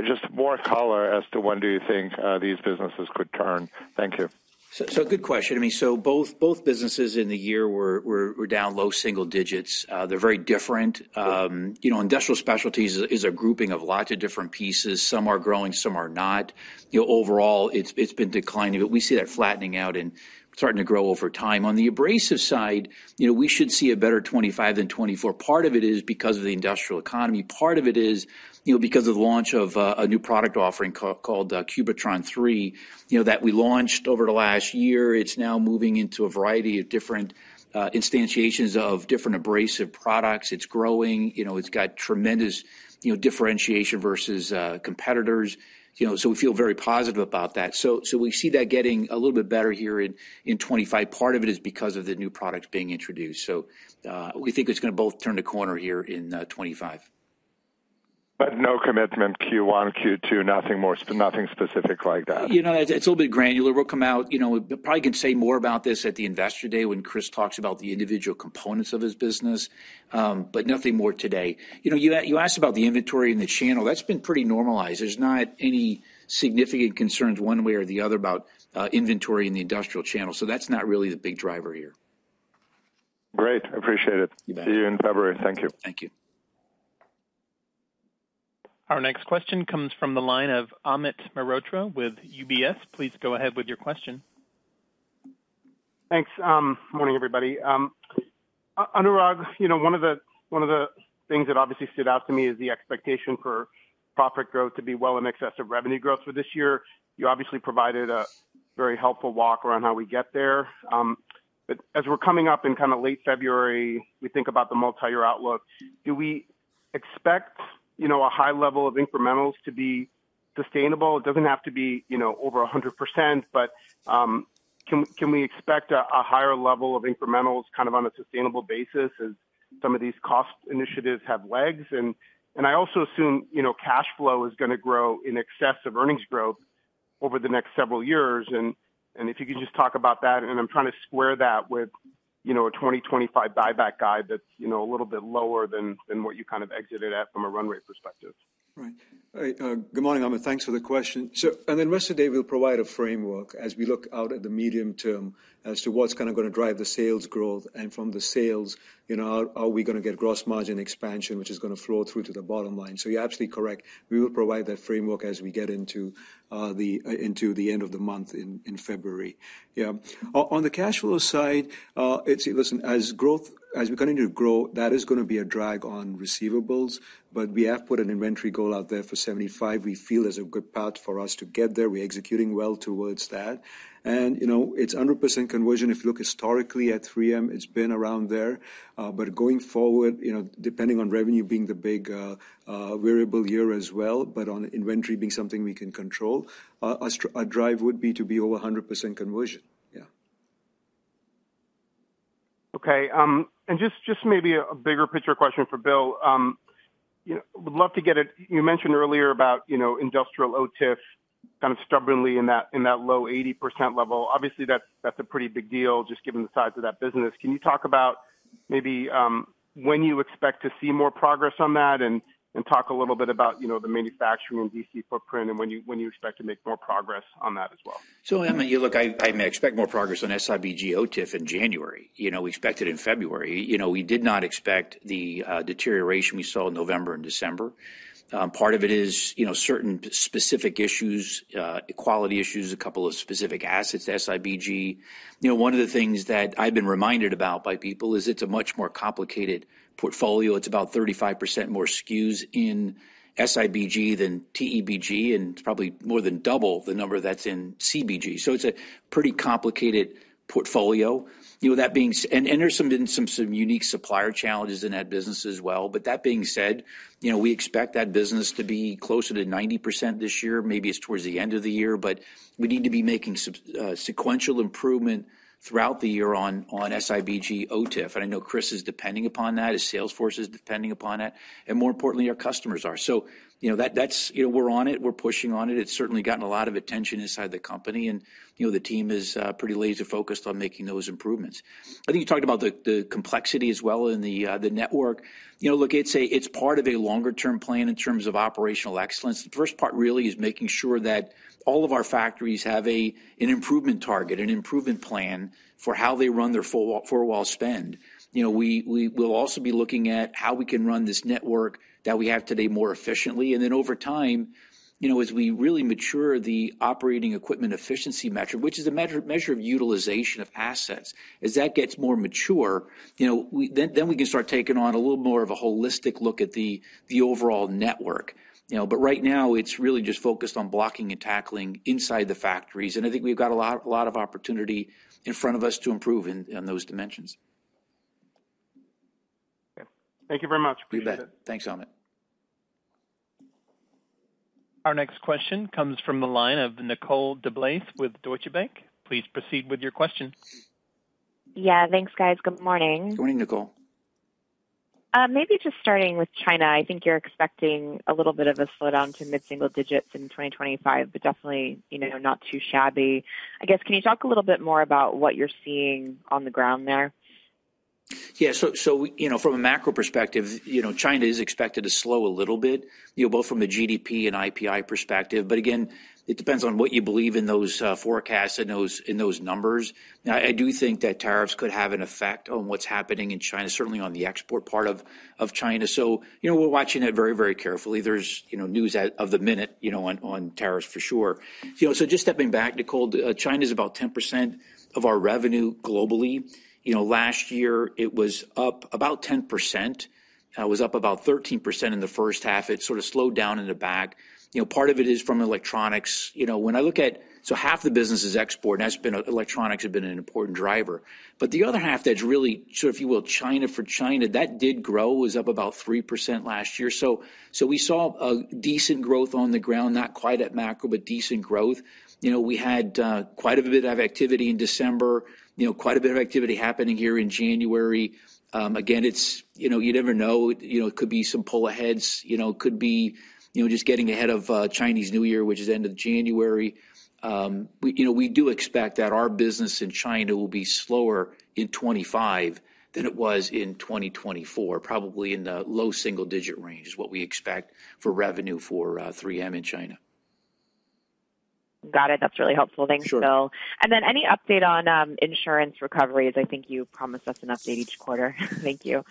just more color as to when do you think these businesses could turn. Thank you. So good question. I mean, so both businesses in the year were down low single digits. They're very different. Industrial specialties is a grouping of lots of different pieces. Some are growing, some are not. Overall, it's been declining, but we see that flattening out and starting to grow over time. On the abrasive side, we should see a better 2025 than 2024. Part of it is because of the industrial economy. Part of it is because of the launch of a new product offering called Cubitron 3 that we launched over the last year. It's now moving into a variety of different instantiations of different abrasive products. It's growing. It's got tremendous differentiation versus competitors. So we feel very positive about that. So we see that getting a little bit better here in 2025. Part of it is because of the new products being introduced. So we think it's going to both turn the corner here in 2025. But no commitment Q1, Q2, nothing specific like that. You know, it's a little bit granular. We'll come out. We probably can say more about this at the Investor Day when Chris talks about the individual components of his business, but nothing more today. You asked about the inventory in the channel. That's been pretty normalized. There's not any significant concerns one way or the other about inventory in the industrial channel. So that's not really the big driver here. Great. I appreciate it. See you in February. Thank you. Thank you. Our next question comes from the line of Amit Mehrotra with UBS. Please go ahead with your question. Thanks. Morning, everybody. Anurag, one of the things that obviously stood out to me is the expectation for profit growth to be well in excess of revenue growth for this year. You obviously provided a very helpful walk around how we get there. But as we're coming up in kind of late February, we think about the multi-year outlook. Do we expect a high level of incrementals to be sustainable? It doesn't have to be over 100%, but can we expect a higher level of incrementals kind of on a sustainable basis as some of these cost initiatives have legs? And I also assume cash flow is going to grow in excess of earnings growth over the next several years. If you could just talk about that, and I'm trying to square that with a 2025 buyback guide that's a little bit lower than what you kind of exited at from a run rate perspective. Right. Good morning, Amit. Thanks for the question. So on the Investor Day, we'll provide a framework as we look out at the medium term as to what's kind of going to drive the sales growth. And from the sales, are we going to get gross margin expansion, which is going to flow through to the bottom line? So you're absolutely correct. We will provide that framework as we get into the end of the month in February. Yeah. On the cash flow side, listen, as growth, as we continue to grow, that is going to be a drag on receivables. But we have put an inventory goal out there for 2025. We feel there's a good path for us to get there. We're executing well towards that. And it's 100% conversion. If you look historically at 3M, it's been around there. But going forward, depending on revenue being the big variable year as well, but on inventory being something we can control, our drive would be to be over 100% conversion. Yeah. Okay. And just maybe a bigger picture question for Bill. Would love to get it. You mentioned earlier about industrial OTIF kind of stubbornly in that low 80% level. Obviously, that's a pretty big deal just given the size of that business. Can you talk about maybe when you expect to see more progress on that and talk a little bit about the manufacturing and DC footprint and when you expect to make more progress on that as well? So, Amit, you look. I may expect more progress on SIBG OTIF in January. We expect it in February. We did not expect the deterioration we saw in November and December. Part of it is certain specific issues, quality issues, a couple of specific assets, SIBG. One of the things that I've been reminded about by people is it's a much more complicated portfolio. It's about 35% more SKUs in SIBG than TEBG, and it's probably more than double the number that's in CBG. So it's a pretty complicated portfolio. That being said, and there's some unique supplier challenges in that business as well. But that being said, we expect that business to be closer to 90% this year. Maybe it's towards the end of the year, but we need to be making sequential improvement throughout the year on SIBG OTIF. And I know Chris is depending upon that, as sales force is depending upon it, and more importantly, our customers are. So we're on it. We're pushing on it. It's certainly gotten a lot of attention inside the company, and the team is pretty laser-focused on making those improvements. I think you talked about the complexity as well in the network. Look, it's part of a longer-term plan in terms of operational excellence. The first part really is making sure that all of our factories have an improvement target, an improvement plan for how they run their four-wall spend. We will also be looking at how we can run this network that we have today more efficiently. And then over time, as we really mature the operating equipment efficiency metric, which is a measure of utilization of assets, as that gets more mature, then we can start taking on a little more of a holistic look at the overall network. But right now, it's really just focused on blocking and tackling inside the factories. And I think we've got a lot of opportunity in front of us to improve in those dimensions. Thank you very much. You bet. Thanks, Amit. Our next question comes from the line of Nicole DeBlase with Deutsche Bank. Please proceed with your question. Yeah. Thanks, guys. Good morning. Good morning, Nicole. Maybe just starting with China, I think you're expecting a little bit of a slowdown to mid-single digits in 2025, but definitely not too shabby. I guess, can you talk a little bit more about what you're seeing on the ground there? Yeah. So from a macro perspective, China is expected to slow a little bit, both from the GDP and IPI perspective. But again, it depends on what you believe in those forecasts and those numbers. I do think that tariffs could have an effect on what's happening in China, certainly on the export part of China. So we're watching it very, very carefully. There's news of the minute on tariffs for sure. So just stepping back, Nicole, China is about 10% of our revenue globally. Last year, it was up about 10%. It was up about 13% in the first half. It sort of slowed down in the back. Part of it is from electronics. When I look at, so half the business is export, and electronics have been an important driver. But the other half that's really, so if you will, China for China, that did grow, was up about 3% last year. So we saw decent growth on the ground, not quite at macro, but decent growth. We had quite a bit of activity in December, quite a bit of activity happening here in January. Again, you never know. It could be some pull aheads. It could be just getting ahead of Chinese New Year, which is the end of January. We do expect that our business in China will be slower in 2025 than it was in 2024, probably in the low single-digit range is what we expect for revenue for 3M in China. Got it. That's really helpful. Thanks, Bill. And then any update on insurance recovery? I think you promised us an update each quarter. Thank you.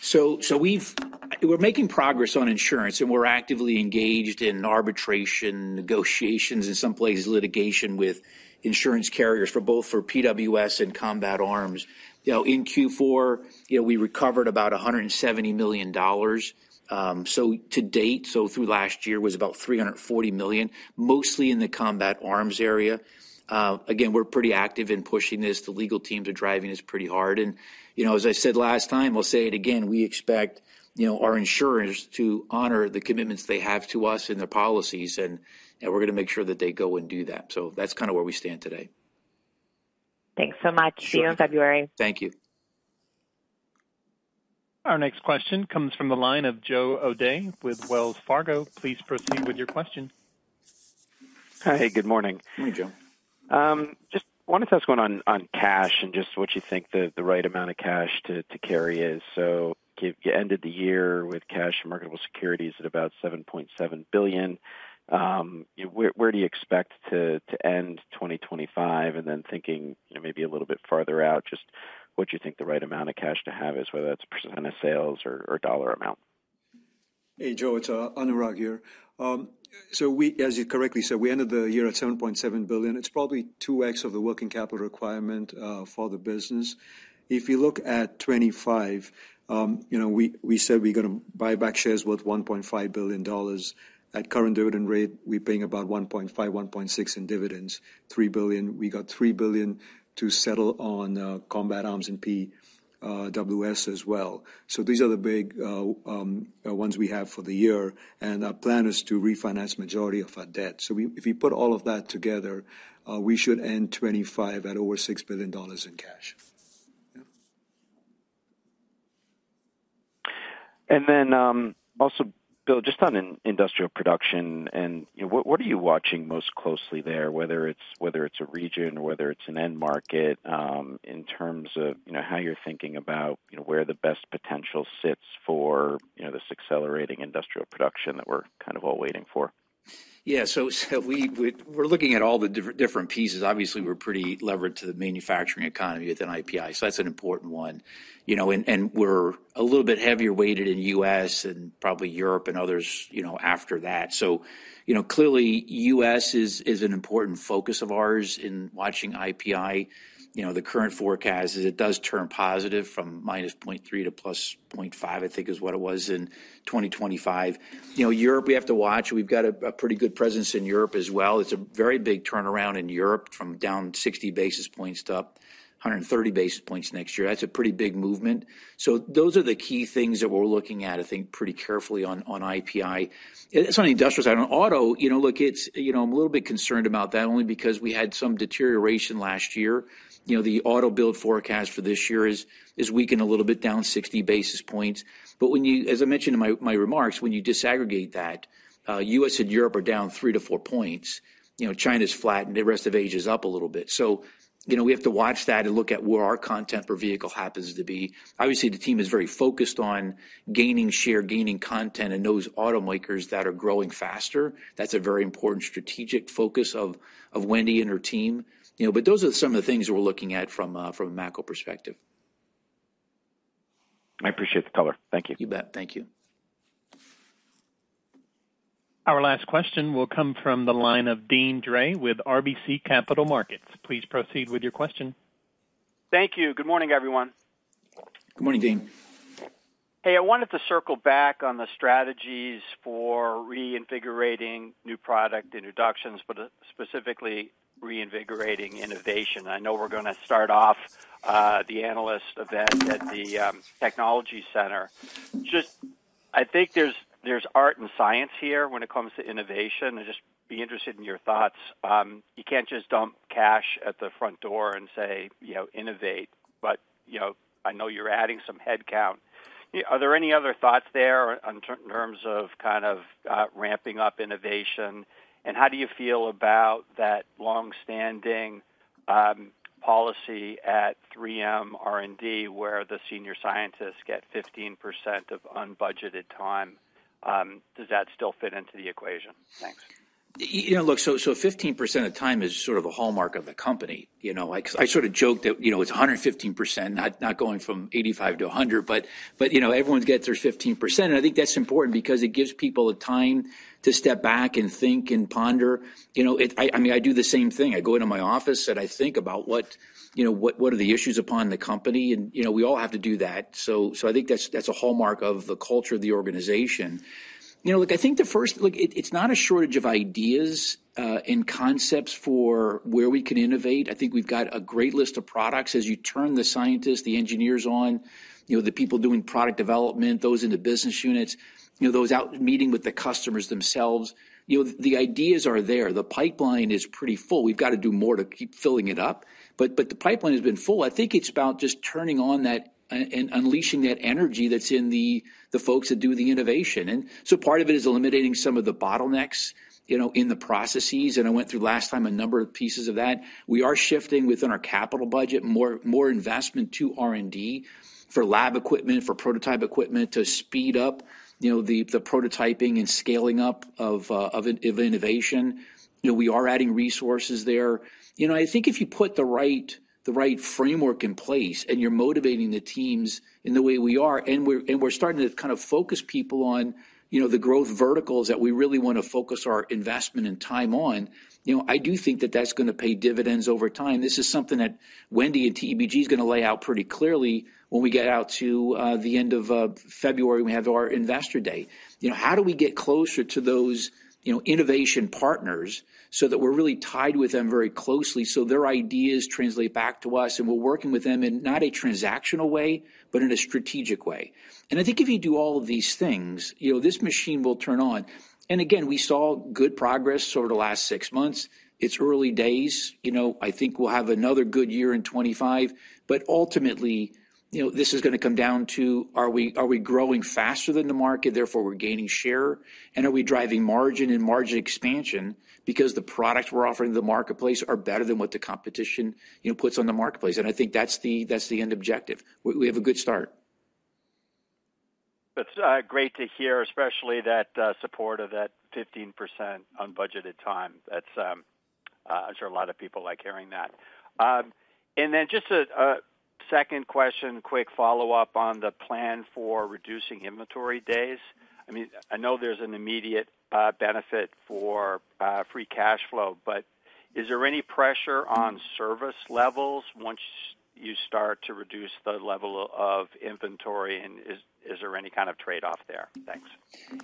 So we're making progress on insurance, and we're actively engaged in arbitration negotiations and some places litigation with insurance carriers for both PWS and Combat Arms. In Q4, we recovered about $170 million. So to date, through last year, was about $340 million, mostly in the Combat Arms area. Again, we're pretty active in pushing this. The legal teams are driving this pretty hard. And as I said last time, I'll say it again, we expect our insurers to honor the commitments they have to us and their policies, and we're going to make sure that they go and do that. So that's kind of where we stand today. Thanks so much. See you in February. Thank you. Our next question comes from the line of Joe O'Dea with Wells Fargo. Please proceed with your question. Hi, good morning. Morning, Joe. Just wanted to ask you on cash and just what you think the right amount of cash to carry is. So you ended the year with cash and marketable securities at about $7.7 billion. Where do you expect to end 2025? And then thinking maybe a little bit farther out, just what you think the right amount of cash to have is, whether that's a percent of sales or dollar amount? Hey, Joe, it's Anurag here. So as you correctly said, we ended the year at $7.7 billion. It's probably 2x of the working capital requirement for the business. If you look at 2025, we said we're going to buy back shares worth $1.5 billion. At current dividend rate, we're paying about $1.5 billion, $1.6 billionin dividends. $3 billion, we got $3 billion to settle on Combat Arms and PWS as well. So these are the big ones we have for the year. And our plan is to refinance the majority of our debt. So if you put all of that together, we should end 2025 at over $6 billion in cash. And then also, Bill, just on industrial production, and what are you watching most closely there, whether it's a region or whether it's an end market, in terms of how you're thinking about where the best potential sits for this accelerating industrial production that we're kind of all waiting for? Yeah. So we're looking at all the different pieces. Obviously, we're pretty levered to the manufacturing economy within IPI. So that's an important one. And we're a little bit heavier weighted in the U.S. and probably Europe and others after that. So clearly, the U.S. is an important focus of ours in watching IPI. The current forecast is it does turn positive from -0.3 to +0.5, I think is what it was in 2025. Europe, we have to watch. We've got a pretty good presence in Europe as well. It's a very big turnaround in Europe from down 60 basis points to up 130 basis points next year. That's a pretty big movement. So those are the key things that we're looking at, I think, pretty carefully on IPI. It's on industrial side. On Auto, look, I'm a little bit concerned about that only because we had some deterioration last year. The auto build forecast for this year is weakened a little bit, down 60 basis points. But as I mentioned in my remarks, when you disaggregate that, the U.S. and Europe are down three to four points. China's flattened. The rest of Asia is up a little bit. So we have to watch that and look at where our content per vehicle happens to be. Obviously, the team is very focused on gaining share, gaining content in those automakers that are growing faster. That's a very important strategic focus of Wendy and her team. But those are some of the things that we're looking at from a macro perspective. I appreciate the color. Thank you. You bet. Thank you. Our last question will come from the line of Deane Dray with RBC Capital Markets. Please proceed with your question. Thank you. Good morning, everyone. Good morning, Deane. Hey, I wanted to circle back on the strategies for reinvigorating new product introductions, but specifically reinvigorating innovation. I know we're going to start off the analyst event at the technology center. Just I think there's art and science here when it comes to innovation. I'd just be interested in your thoughts. You can't just dump cash at the front door and say, "Innovate," but I know you're adding some headcount. Are there any other thoughts there in terms of kind of ramping up innovation? And how do you feel about that longstanding policy at 3M R&D where the senior scientists get 15% of unbudgeted time? Does that still fit into the equation? Thanks. Look, so 15% of time is sort of a hallmark of the company. I sort of joke that it's 115%, not going from 85 to 100, but everyone gets their 15%. And I think that's important because it gives people a time to step back and think and ponder. I mean, I do the same thing. I go into my office and I think about what are the issues upon the company. And we all have to do that. So, I think that's a hallmark of the culture of the organization. Look, I think the first, look, it's not a shortage of ideas and concepts for where we can innovate. I think we've got a great list of products. As you turn the scientists, the engineers on, the people doing product development, those in the business units, those out meeting with the customers themselves, the ideas are there. The pipeline is pretty full. We've got to do more to keep filling it up. But the pipeline has been full. I think it's about just turning on that and unleashing that energy that's in the folks that do the innovation. And so part of it is eliminating some of the bottlenecks in the processes. And I went through last time a number of pieces of that. We are shifting within our capital budget more investment to R&D for lab equipment, for prototype equipment to speed up the prototyping and scaling up of innovation. We are adding resources there. I think if you put the right framework in place and you're motivating the teams in the way we are, and we're starting to kind of focus people on the growth verticals that we really want to focus our investment and time on, I do think that that's going to pay dividends over time. This is something that Wendy and TEBG are going to lay out pretty clearly when we get out to the end of February. We have our Investor Day. How do we get closer to those innovation partners so that we're really tied with them very closely so their ideas translate back to us, and we're working with them in not a transactional way, but in a strategic way? And I think if you do all of these things, this machine will turn on. And again, we saw good progress over the last six months. It's early days. I think we'll have another good year in 2025. But ultimately, this is going to come down to are we growing faster than the market, therefore we're gaining share, and are we driving margin and margin expansion because the products we're offering the marketplace are better than what the competition puts on the marketplace? And I think that's the end objective. We have a good start. That's great to hear, especially that support of that 15% unbudgeted time. I'm sure a lot of people like hearing that. And then just a second question, quick follow-up on the plan for reducing inventory days. I mean, I know there's an immediate benefit for free cash flow, but is there any pressure on service levels once you start to reduce the level of inventory, and is there any kind of trade-off there? Thanks.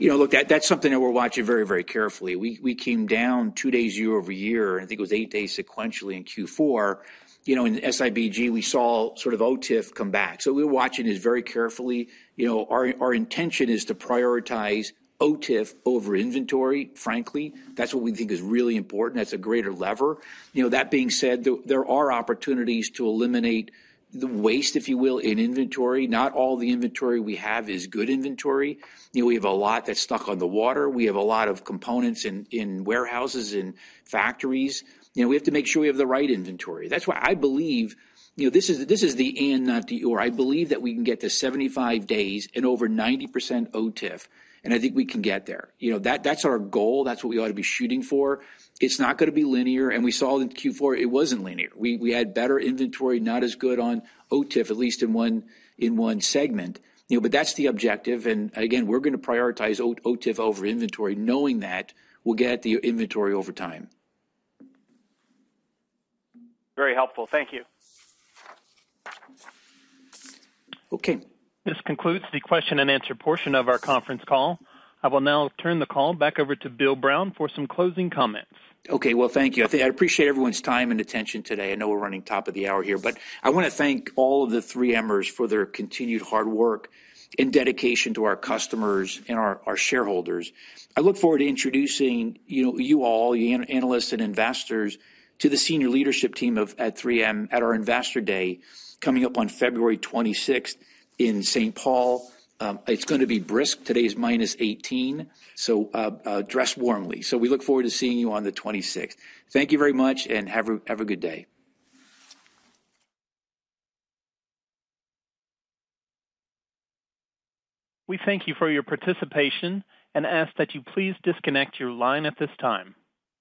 Look, that's something that we're watching very, very carefully. We came down two days year-over-year, and I think it was eight days sequentially in Q4. In SIBG, we saw sort of OTIF come back. So we're watching this very carefully. Our intention is to prioritize OTIF over inventory, frankly. That's what we think is really important. That's a greater lever. That being said, there are opportunities to eliminate the waste, if you will, in inventory. Not all the inventory we have is good inventory. We have a lot that's stuck on the water. We have a lot of components in warehouses and factories. We have to make sure we have the right inventory. That's why I believe this is the end, not the end. I believe that we can get to 75 days and over 90% OTIF, and I think we can get there. That's our goal. That's what we ought to be shooting for. It's not going to be linear, and we saw in Q4, it wasn't linear. We had better inventory, not as good on OTIF, at least in one segment, but that's the objective, and again, we're going to prioritize OTIF over inventory, knowing that we'll get the inventory over time. Very helpful. Thank you. Okay. This concludes the question-and-answer portion of our conference call. I will now turn the call back over to Bill Brown for some closing comments. Okay. Well, thank you. I appreciate everyone's time and attention today. I know we're running top of the hour here, but I want to thank all of the 3Mers for their continued hard work and dedication to our customers and our shareholders. I look forward to introducing you all, your analysts and investors, to the senior leadership team at 3M at our Investor Day coming up on February 26th in St. Paul. It's going to be brisk. Today's -18 degrees Fahrenheit. So dress warmly. So we look forward to seeing you on the 26th. Thank you very much and have a good day. We thank you for your participation and ask that you please disconnect your line at this time.